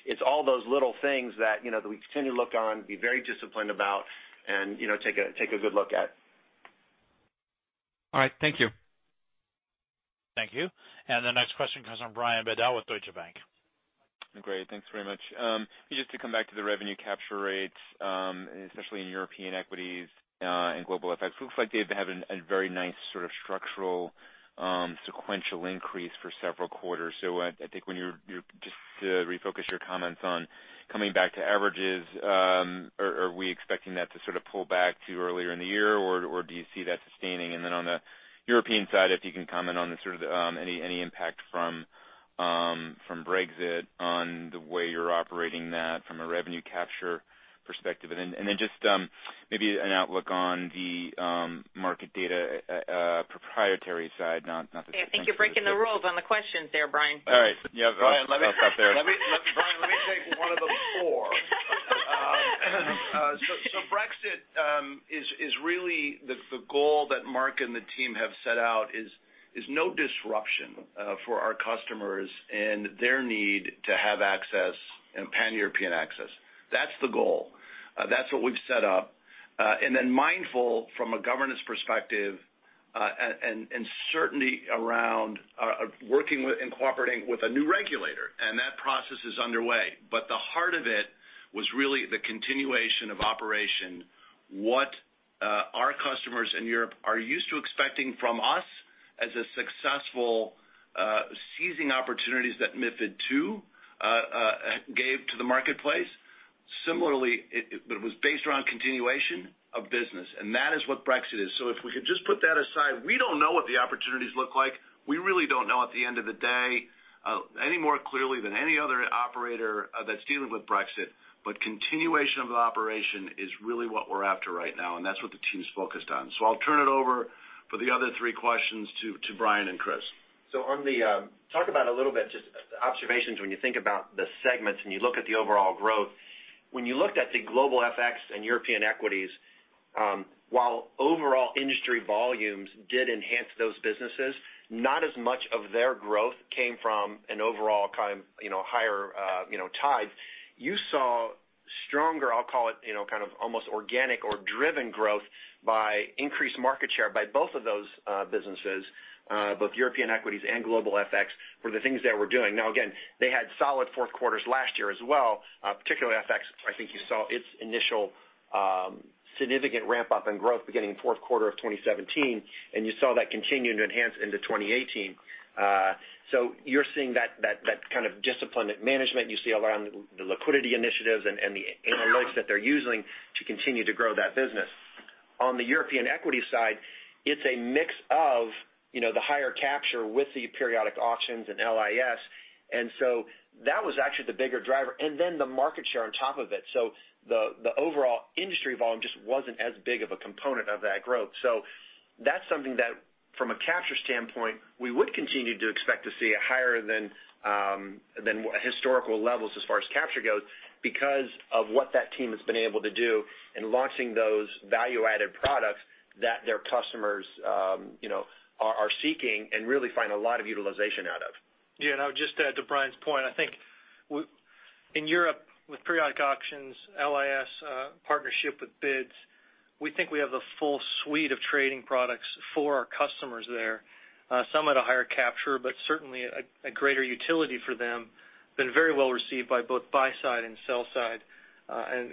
It's all those little things that we continue to look on, be very disciplined about and take a good look at. All right. Thank you. Thank you. The next question comes from Brian Bedell with Deutsche Bank. Great. Thanks very much. Just to come back to the revenue capture rates, especially in European equities, and global FX. Looks like they've been having a very nice sort of structural sequential increase for several quarters. I think when you just to refocus your comments on coming back to averages, are we expecting that to sort of pull back to earlier in the year, or do you see that sustaining? Then on the European side, if you can comment on the sort of any impact from Brexit on the way you're operating that from a revenue capture perspective. Then just maybe an outlook on the market data, proprietary side. I think you're breaking the rules on the questions there, Brian. All right. Yeah. Brian. I'll stop there. Brian, let me take one of those four. Brexit is really the goal that Mark and the team have set out is no disruption for our customers and their need to have access and Pan-European access. That's the goal. That's what we've set up. Mindful from a governance perspective, and certainty around working with and cooperating with a new regulator, and that process is underway. The heart of it was really the continuation of operation. What our customers in Europe are used to expecting from us as a successful seizing opportunities that MiFID II gave to the marketplace. Similarly, it was based around continuation of business, and that is what Brexit is. If we could just put that aside, we don't know what the opportunities look like. We really don't know at the end of the day, any more clearly than any other operator that's dealing with Brexit. Continuation of the operation is really what we're after right now, and that's what the team's focused on. I'll turn it over for the other three questions to Brian and Chris. Talk about a little bit, just observations when you think about the segments and you look at the overall growth. When you looked at the global FX and European equities, while overall industry volumes did enhance those businesses, not as much of their growth came from an overall kind of higher tide. You saw stronger, I'll call it, kind of almost organic or driven growth by increased market share by both of those businesses, both European equities and global FX, were the things they were doing. Again, they had solid fourth quarters last year as well, particularly FX. I think you saw its initial significant ramp-up in growth beginning fourth quarter of 2017, and you saw that continue to enhance into 2018. You're seeing that kind of disciplined management. You see it around the liquidity initiatives and the analytics that they're using to continue to grow that business. On the European equity side, it's a mix of the higher capture with the periodic auctions and LIS. That was actually the bigger driver, then the market share on top of it. The overall industry volume just wasn't as big of a component of that growth. That's something that, from a capture standpoint, we would continue to expect to see a higher than historical levels as far as capture goes because of what that team has been able to do in launching those value-added products that their customers are seeking and really find a lot of utilization out of. I'll just add to Brian's point. I think in Europe, with periodic auctions, LIS partnership with BIDS, we think we have the full suite of trading products for our customers there. Some at a higher capture, certainly a greater utility for them. Been very well received by both buy side and sell side.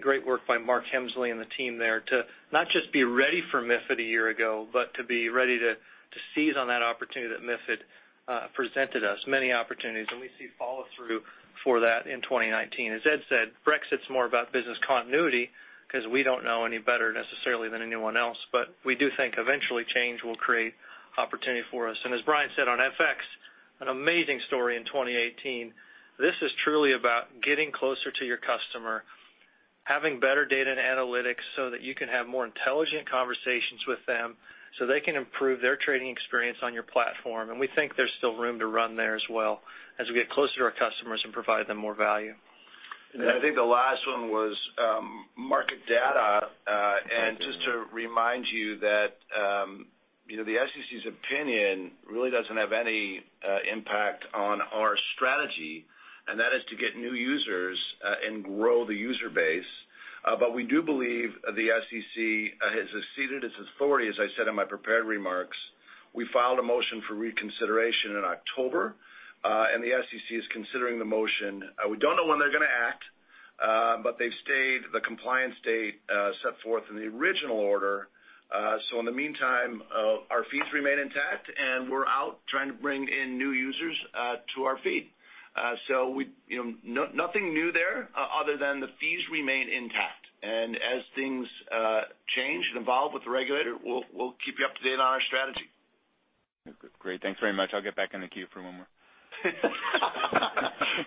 Great work by Mark Hemsley and the team there to not just be ready for MiFID a year ago, to be ready to seize on that opportunity that MiFID presented us. Many opportunities, we see follow-through for that in 2019. As Ed said, Brexit's more about business continuity because we don't know any better necessarily than anyone else. We do think eventually change will create opportunity for us. As Brian said on FX, an amazing story in 2018. This is truly about getting closer to your customer, having better data and analytics so that you can have more intelligent conversations with them so they can improve their trading experience on your platform. We think there's still room to run there as well as we get closer to our customers and provide them more value. I think the last one was market data. Just to remind you that the SEC's opinion really doesn't have any impact on our strategy, and that is to get new users and grow the user base. We do believe the SEC has exceeded its authority, as I said in my prepared remarks. We filed a motion for reconsideration in October, and the SEC is considering the motion. We don't know when they're going to act, but they've stayed the compliance date set forth in the original order. In the meantime, our fees remain intact, and we're out trying to bring in new users to our feed. Nothing new there other than the fees remain intact. As things change and evolve with the regulator, we'll keep you up to date on our strategy. Great. Thanks very much. I'll get back in the queue for one more.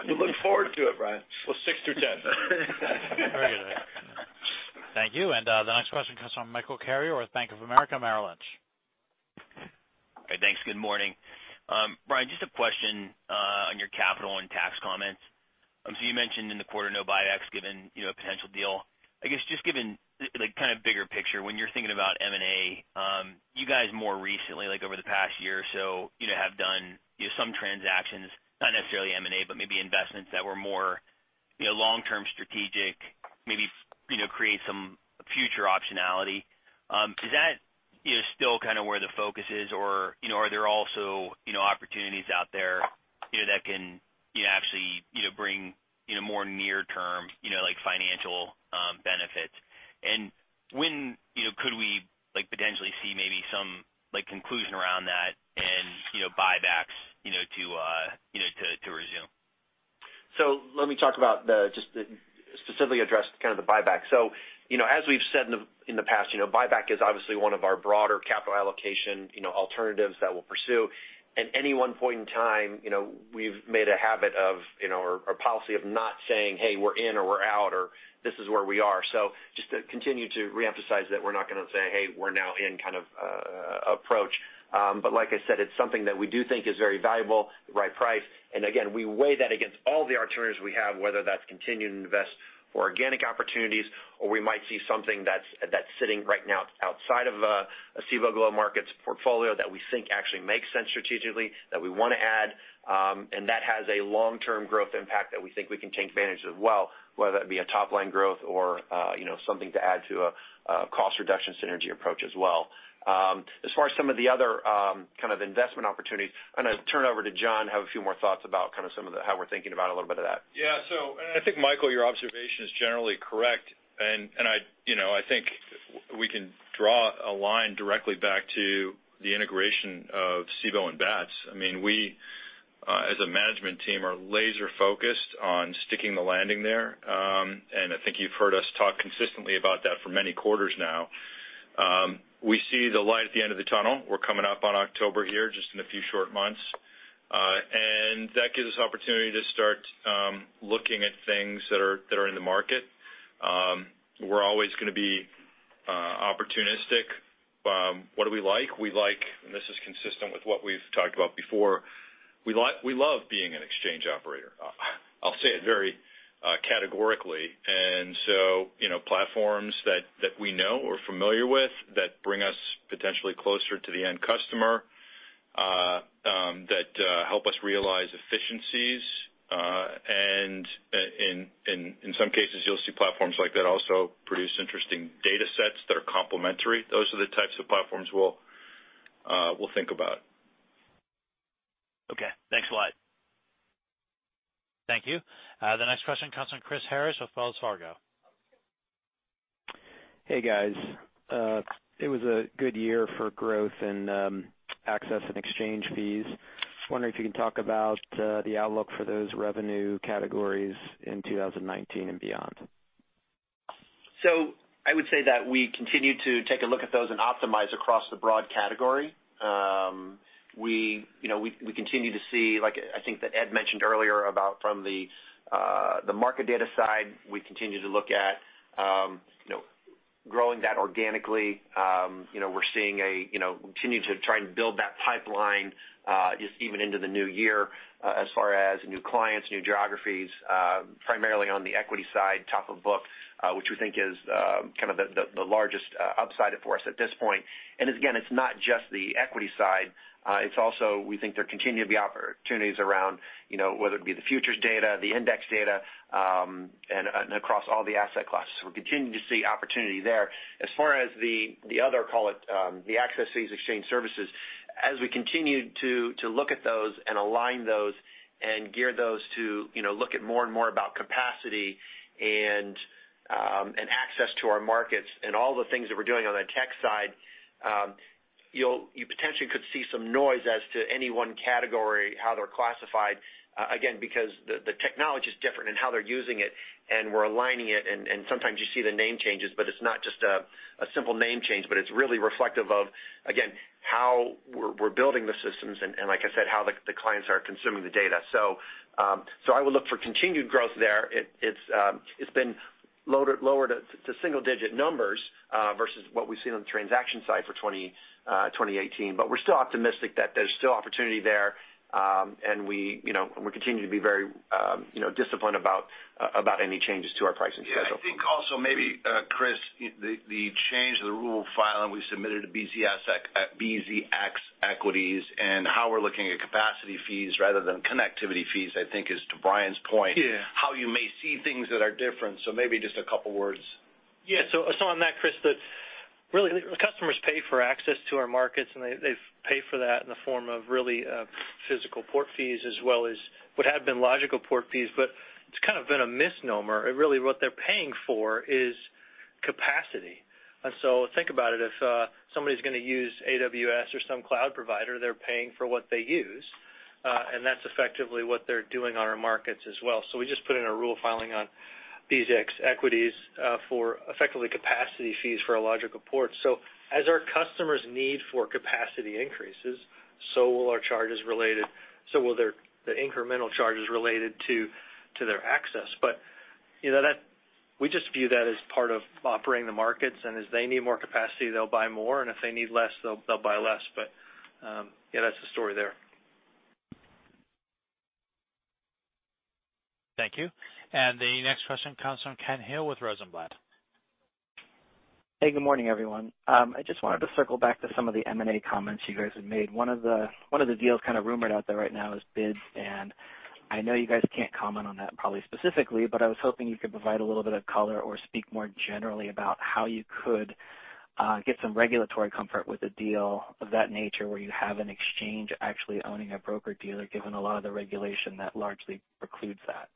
We look forward to it, Brian. Well, six through 10. Very good. Thank you. The next question comes from Michael Carrier with Bank of America Merrill Lynch. Hey, thanks. Good morning. Brian, just a question on your capital and tax comments. You mentioned in the quarter, no buybacks given a potential deal. I guess, just given kind of bigger picture, when you're thinking about M&A, you guys more recently, like over the past year or so, have done transactions, not necessarily M&A, but maybe investments that were more long-term strategic, maybe create some future optionality. Is that still kind of where the focus is? Are there also opportunities out there that can actually bring more near term, like financial benefits? When could we potentially see maybe some conclusion around that and buybacks to resume? Let me talk about just specifically address kind of the buyback. As we've said in the past, buyback is obviously one of our broader capital allocation alternatives that we'll pursue. At any one point in time, we've made a habit of, or a policy of not saying, "Hey, we're in or we're out, or this is where we are." Just to continue to reemphasize that we're not going to say, "Hey, we're now in" kind of approach. Like I said, it's something that we do think is very valuable, the right price. Again, we weigh that against all the alternatives we have, whether that's continue to invest for organic opportunities, or we might see something that's sitting right now outside of a Cboe Global Markets portfolio that we think actually makes sense strategically that we want to add, and that has a long-term growth impact that we think we can take advantage of as well, whether that be a top-line growth or something to add to a cost reduction synergy approach as well. As far as some of the other kind of investment opportunities, I'm going to turn it over to John to have a few more thoughts about kind of how we're thinking about a little bit of that. Yeah. I think, Michael, your observation is generally correct, and I think we can draw a line directly back to the integration of Cboe and Bats. We, as a management team, are laser-focused on sticking the landing there. I think you've heard us talk consistently about that for many quarters now. We see the light at the end of the tunnel. We're coming up on October here, just in a few short months. That gives us opportunity to start looking at things that are in the market. We're always going to be opportunistic. What do we like? We like, this is consistent with what we've talked about before, we love being an exchange operator. I'll say it very categorically. Platforms that we know or are familiar with that bring us potentially closer to the end customer, that help us realize efficiencies, and in some cases, you'll see platforms like that also produce interesting data sets that are complementary. Those are the types of platforms we'll think about. Okay, thanks a lot. Thank you. The next question comes from Chris Harris with Wells Fargo. Hey, guys. It was a good year for growth in access and exchange fees. Just wondering if you can talk about the outlook for those revenue categories in 2019 and beyond. I would say that we continue to take a look at those and optimize across the broad category. We continue to see, like I think that Ed mentioned earlier about from the market data side, we continue to look at growing that organically. We're seeing, continue to try and build that pipeline, just even into the new year as far as new clients, new geographies, primarily on the equity side, top of book, which we think is kind of the largest upside for us at this point. Again, it's not just the equity side. It's also, we think there continue to be opportunities around whether it be the futures data, the index data, and across all the asset classes. We're continuing to see opportunity there. As far as the other, call it the access fees exchange services, as we continue to look at those and align those and gear those to look at more and more about capacity and access to our markets and all the things that we're doing on the tech side, you potentially could see some noise as to any one category, how they're classified. Again, because the technology's different in how they're using it and we're aligning it, and sometimes you see the name changes, but it's not just a simple name change, but it's really reflective of, again, how we're building the systems and, like I said, how the clients are consuming the data. I would look for continued growth there. It's been lowered to single-digit numbers versus what we've seen on the transaction side for 2018. We're still optimistic that there's still opportunity there. We continue to be very disciplined about any changes to our pricing schedule. Yeah. I think also maybe, Chris, the change to the rule filing we submitted to BZX equities and how we're looking at capacity fees rather than connectivity fees, I think is, to Brian's point. Yeah how you may see things that are different. Maybe just a couple words. Yeah. On that, Chris, the really, the customers pay for access to our markets, and they pay for that in the form of really physical port fees as well as what had been logical port fees, but it's kind of been a misnomer. Really what they're paying for is capacity. Think about it, if somebody's going to use AWS or some cloud provider, they're paying for what they use. That's effectively what they're doing on our markets as well. We just put in a rule filing on BZX equities, for effectively capacity fees for a logical port. So as our customers' need for capacity increases, so will the incremental charges related to their access. We just view that as part of operating the markets, and as they need more capacity, they'll buy more, and if they need less, they'll buy less. Yeah, that's the story there. Thank you. The next question comes from Ken Hill with Rosenblatt. Hey, good morning, everyone. I just wanted to circle back to some of the M&A comments you guys had made. One of the deals kind of rumored out there right now is BIDS, and I know you guys can't comment on that probably specifically, but I was hoping you could provide a little bit of color or speak more generally about how you could get some regulatory comfort with a deal of that nature, where you have an exchange actually owning a broker-dealer, given a lot of the regulation that largely precludes that.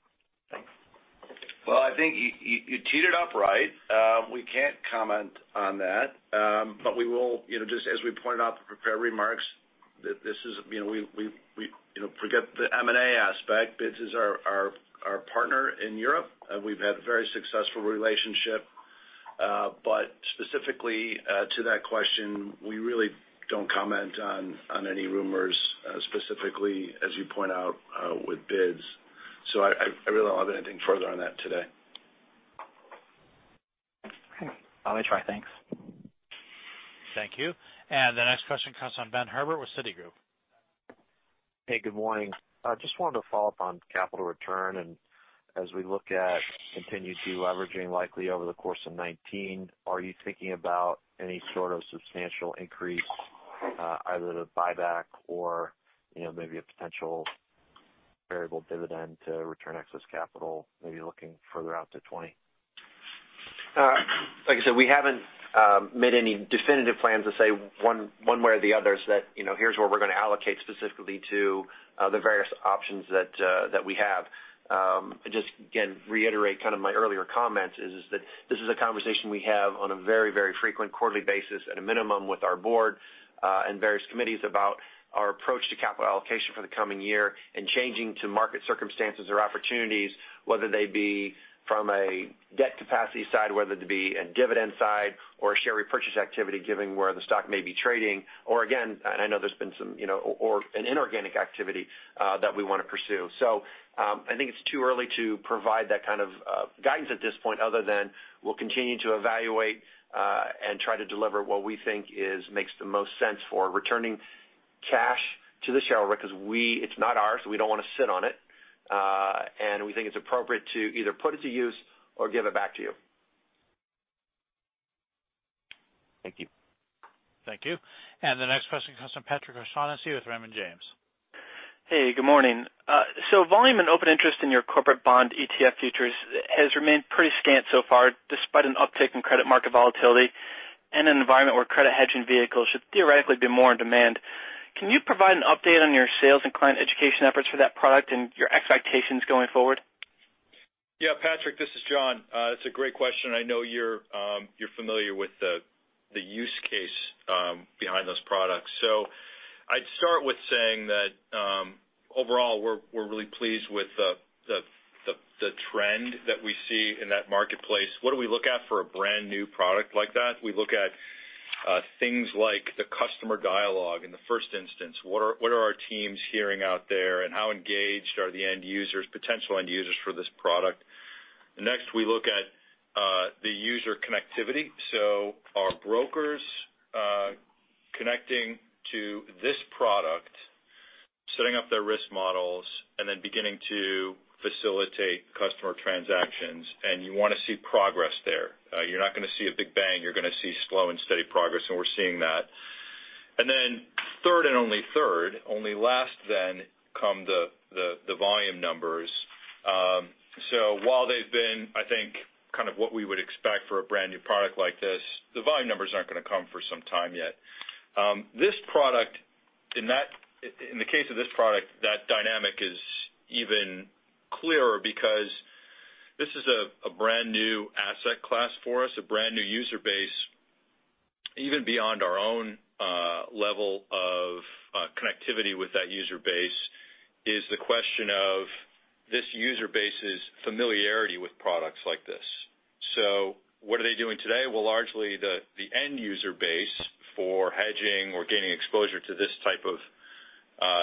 Thanks. Well, I think you teed it up right. We can't comment on that. We will, just as we pointed out in the prepared remarks, forget the M&A aspect, this is our partner in Europe, and we've had a very successful relationship. Specifically to that question, we really don't comment on any rumors, specifically, as you point out, with BIDS. I really don't have anything further on that today. Okay. I'll retry. Thanks. Thank you. The next question comes from Ben Herbert with Citigroup. Good morning. Just wanted to follow up on capital return, as we look at continued de-leveraging likely over the course of 2019, are you thinking about any sort of substantial increase, either the buyback or maybe a potential variable dividend to return excess capital, maybe looking further out to 2020? Like I said, we haven't made any definitive plans to say one way or the other, say that here's where we're going to allocate specifically to the various options that we have. Just again, reiterate kind of my earlier comments is that this is a conversation we have on a very, very frequent quarterly basis at a minimum with our Board, and various committees about our approach to capital allocation for the coming year and changing to market circumstances or opportunities, whether they be from a debt capacity side, whether it be a dividend side or a share repurchase activity, given where the stock may be trading. Again, I know there's been some inorganic activity that we want to pursue. I think it's too early to provide that kind of guidance at this point other than we'll continue to evaluate, and try to deliver what we think makes the most sense for returning cash to the shareholder, because it's not ours, we don't want to sit on it. We think it's appropriate to either put it to use or give it back to you. Thank you. Thank you. The next question comes from Patrick O'Shaughnessy with Raymond James. Hey, good morning. Volume and open interest in your corporate bond ETF futures has remained pretty scant so far, despite an uptick in credit market volatility and an environment where credit hedging vehicles should theoretically be more in demand. Can you provide an update on your sales and client education efforts for that product and your expectations going forward? Yeah, Patrick, this is John. It's a great question, and I know you're familiar with the use case behind those products. I'd start with saying that, overall, we're really pleased with the trend that we see in that marketplace. What do we look at for a brand-new product like that? We look at things like the customer dialogue in the first instance. What are our teams hearing out there and how engaged are the potential end users for this product? Next, we look at the user connectivity. Are brokers connecting to this product, setting up their risk models, and then beginning to facilitate customer transactions, and you want to see progress there. You're not going to see a big bang. You're going to see slow and steady progress, and we're seeing that. Then third and only third, only last then come the volume numbers. While they've been, I think, kind of what we would expect for a brand-new product like this, the volume numbers aren't going to come for some time yet. In the case of this product, that dynamic is even clearer because this is a brand-new asset class for us, a brand-new user base, even beyond our own level of connectivity with that user base is the question of this user base's familiarity with products like this. What are they doing today? Well, largely, the end user base for hedging or gaining exposure to this type of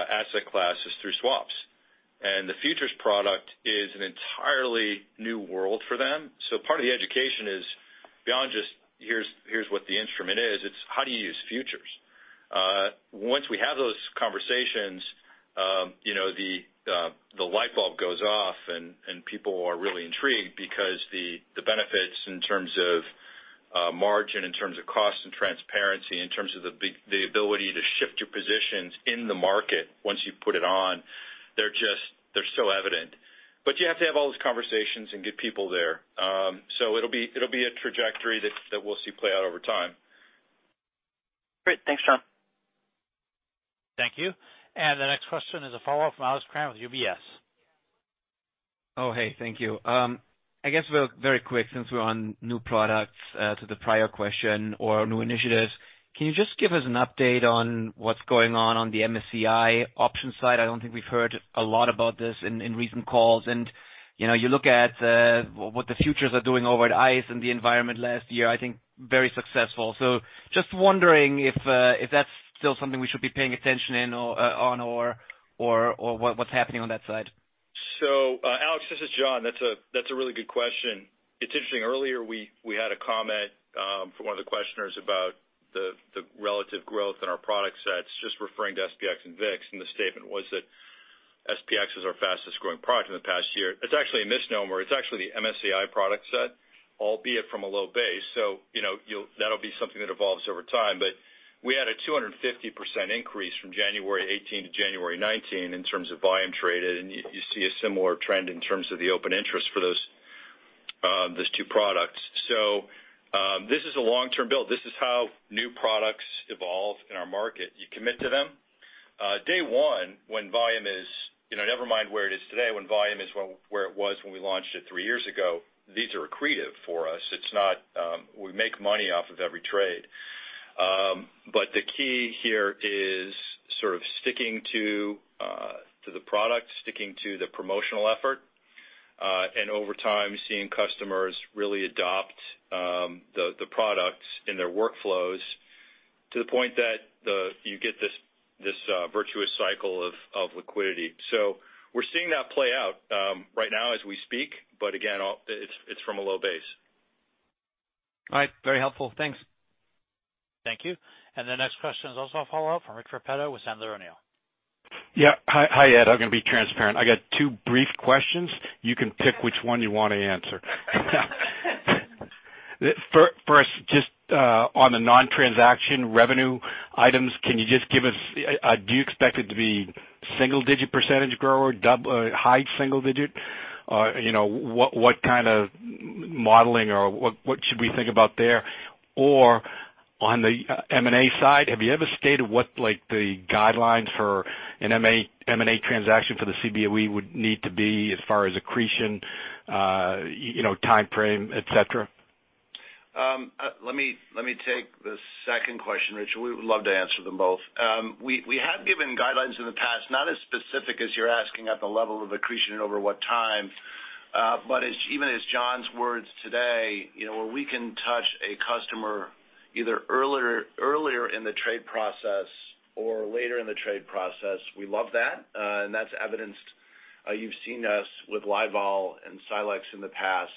asset class is through swaps. The futures product is an entirely new world for them. Part of the education is beyond just here's what the instrument is, it's how do you use futures. Once we have those conversations, the light bulb goes off and people are really intrigued because the benefits in terms of margin, in terms of cost and transparency, in terms of the ability to shift your positions in the market once you put it on, they're so evident. You have to have all those conversations and get people there. It'll be a trajectory that we'll see play out over time. Great. Thanks, John. Thank you. The next question is a follow-up from Alex Kramm with UBS. Oh, hey. Thank you. I guess, very quick, since we're on new products, to the prior question or new initiatives, can you just give us an update on what's going on the MSCI options side? I don't think we've heard a lot about this in recent calls. You look at what the futures are doing over at ICE and the environment last year, I think very successful. Just wondering if that's still something we should be paying attention on or what's happening on that side. Alex, this is John. That's a really good question. It's interesting, earlier we had a comment, from one of the questioners about relative growth in our product sets, just referring to SPX and VIX, and the statement was that SPX is our fastest-growing product in the past year. It's actually a misnomer. It's actually the MSCI product set, albeit from a low base. That'll be something that evolves over time. We had a 250% increase from January 2018 to January 2019 in terms of volume traded, and you see a similar trend in terms of the open interest for those two products. This is a long-term build. This is how new products evolve in our market. You commit to them. Day one, never mind where it is today, when volume is where it was when we launched it three years ago, these are accretive for us. We make money off of every trade. The key here is sort of sticking to the product, sticking to the promotional effort, and over time, seeing customers really adopt the products in their workflows to the point that you get this virtuous cycle of liquidity. We're seeing that play out right now as we speak, but again, it's from a low base. All right. Very helpful. Thanks. Thank you. The next question is also a follow-up from Rich Repetto with Sandler O'Neill. Yeah. Hi, Ed. I'm going to be transparent. I got two brief questions. You can pick which one you want to answer. First, just on the non-transaction revenue items, do you expect it to be single-digit % grower, high single digit? What kind of modeling, or what should we think about there? On the M&A side, have you ever stated what the guidelines for an M&A transaction for the Cboe would need to be as far as accretion, timeframe, et cetera? Let me take the second question, Rich. We would love to answer them both. We have given guidelines in the past, not as specific as you're asking at the level of accretion and over what time. Even as John's words today, where we can touch a customer either earlier in the trade process or later in the trade process, we love that, and that's evidenced. You've seen us with Livevol and Silexx in the past.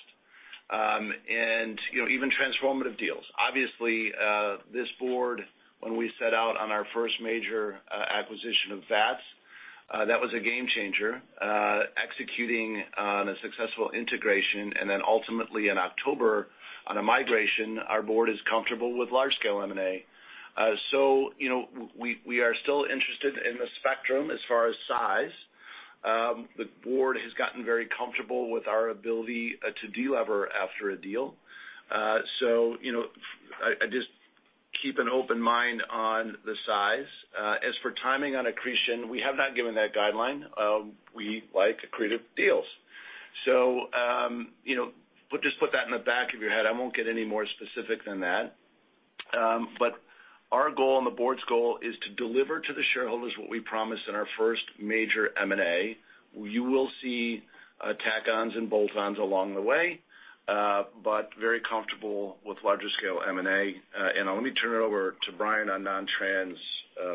Even transformative deals. Obviously, this board, when we set out on our first major acquisition of Bats, that was a game changer. Executing on a successful integration and then ultimately in October on a migration, our Board is comfortable with large-scale M&A. We are still interested in the spectrum as far as size. The Board has gotten very comfortable with our ability to do ever after a deal. I just keep an open mind on the size. As for timing on accretion, we have not given that guideline. We like accretive deals. Just put that in the back of your head. I won't get any more specific than that. Our goal and the board's goal is to deliver to the shareholders what we promised in our first major M&A, where you will see tack ons and bolt ons along the way, but very comfortable with larger scale M&A. Let me turn it over to Brian on non-trans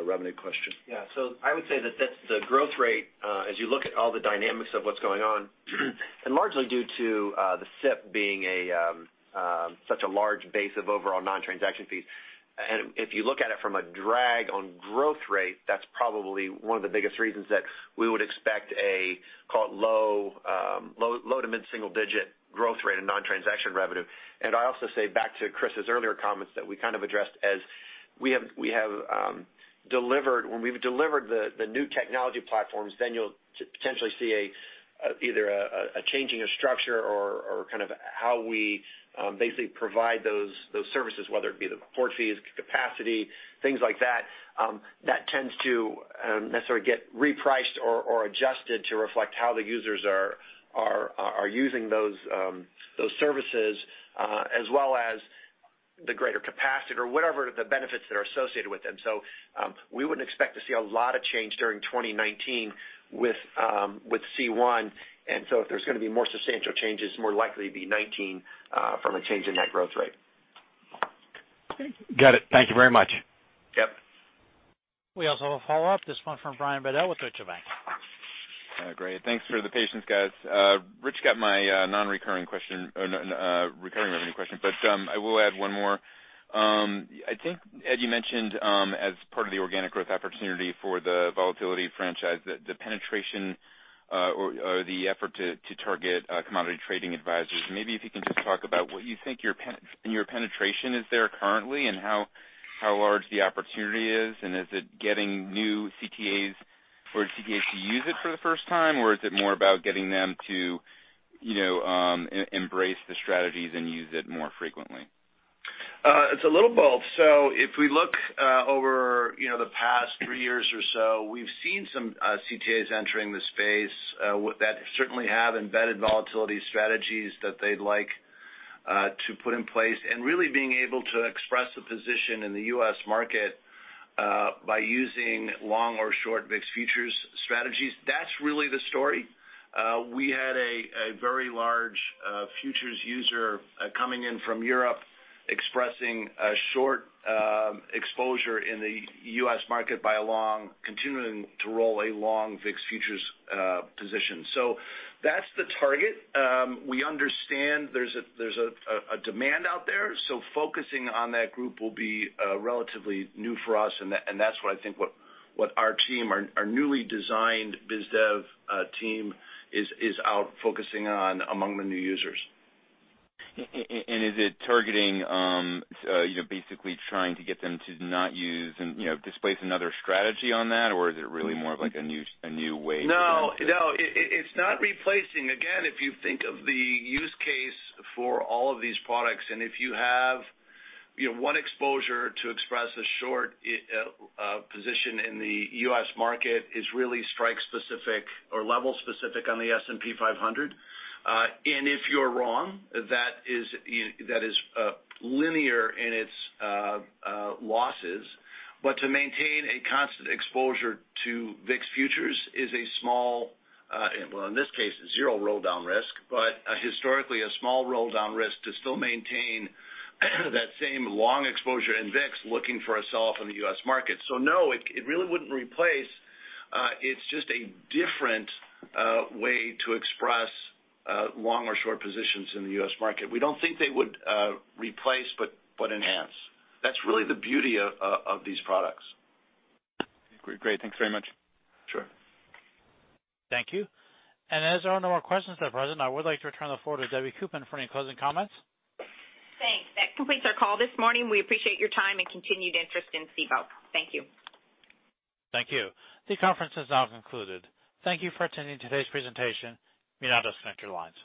revenue question. Yeah. I would say that the growth rate, as you look at all the dynamics of what's going on, and largely due to the SIP being such a large base of overall non-transaction fees, and if you look at it from a drag on growth rate, that's probably one of the biggest reasons that we would expect a low to mid-single digit growth rate in non-transaction revenue. I also say back to Chris' earlier comments that we kind of addressed as when we've delivered the new technology platforms, then you'll potentially see either a changing of structure or kind of how we basically provide those services, whether it be the port fees, capacity, things like that tends to necessarily get repriced or adjusted to reflect how the users are using those services as well as the greater capacity or whatever the benefits that are associated with them. We wouldn't expect to see a lot of change during 2019 with C1, if there's going to be more substantial changes, more likely it'd be 2019 from a change in that growth rate. Got it. Thank you very much. Yep. We also have a follow-up. This one from Brian Bedell with Deutsche Bank. Great. Thanks for the patience, guys. Rich got my recurring revenue question, but I will add one more. I think, Ed, you mentioned as part of the organic growth opportunity for the volatility franchise, the penetration or the effort to target commodity trading advisors. Maybe if you can just talk about what you think your penetration is there currently, and how large the opportunity is, and is it getting new CTAs for CTAs to use it for the first time, or is it more about getting them to embrace the strategies and use it more frequently? It's a little both. If we look over the past three years or so, we've seen some CTAs entering the space that certainly have embedded volatility strategies that they'd like to put in place, and really being able to express a position in the U.S. market by using long or short VIX futures strategies. That's really the story. We had a very large futures user coming in from Europe expressing a short exposure in the U.S. market by continuing to roll a long VIX futures position. That's the target. We understand there's a demand out there, focusing on that group will be relatively new for us, and that's what I think what our newly designed biz dev team is out focusing on among the new users. Is it targeting basically trying to get them to displace another strategy on that, or is it really more of like a new way for them to- No, it's not replacing. Again, if you think of the use case for all of these products, if you have one exposure to express a short position in the U.S. market is really strike specific or level specific on the S&P 500. If you're wrong, that is linear in its losses. To maintain a constant exposure to VIX futures is a small, well, in this case, zero roll down risk, but historically a small roll down risk to still maintain that same long exposure in VIX looking for a sell-off in the U.S. market. No, it really wouldn't replace. It's just a different way to express long or short positions in the U.S. market. We don't think they would replace, but enhance. That's really the beauty of these products. Great. Thanks very much. Sure. Thank you. As there are no more questions, President, I would like to return the floor to Debbie Koopman for any closing comments. Thanks. That completes our call this morning. We appreciate your time and continued interest in Cboe. Thank you. Thank you. The conference is now concluded. Thank you for attending today's presentation. You may now disconnect your lines.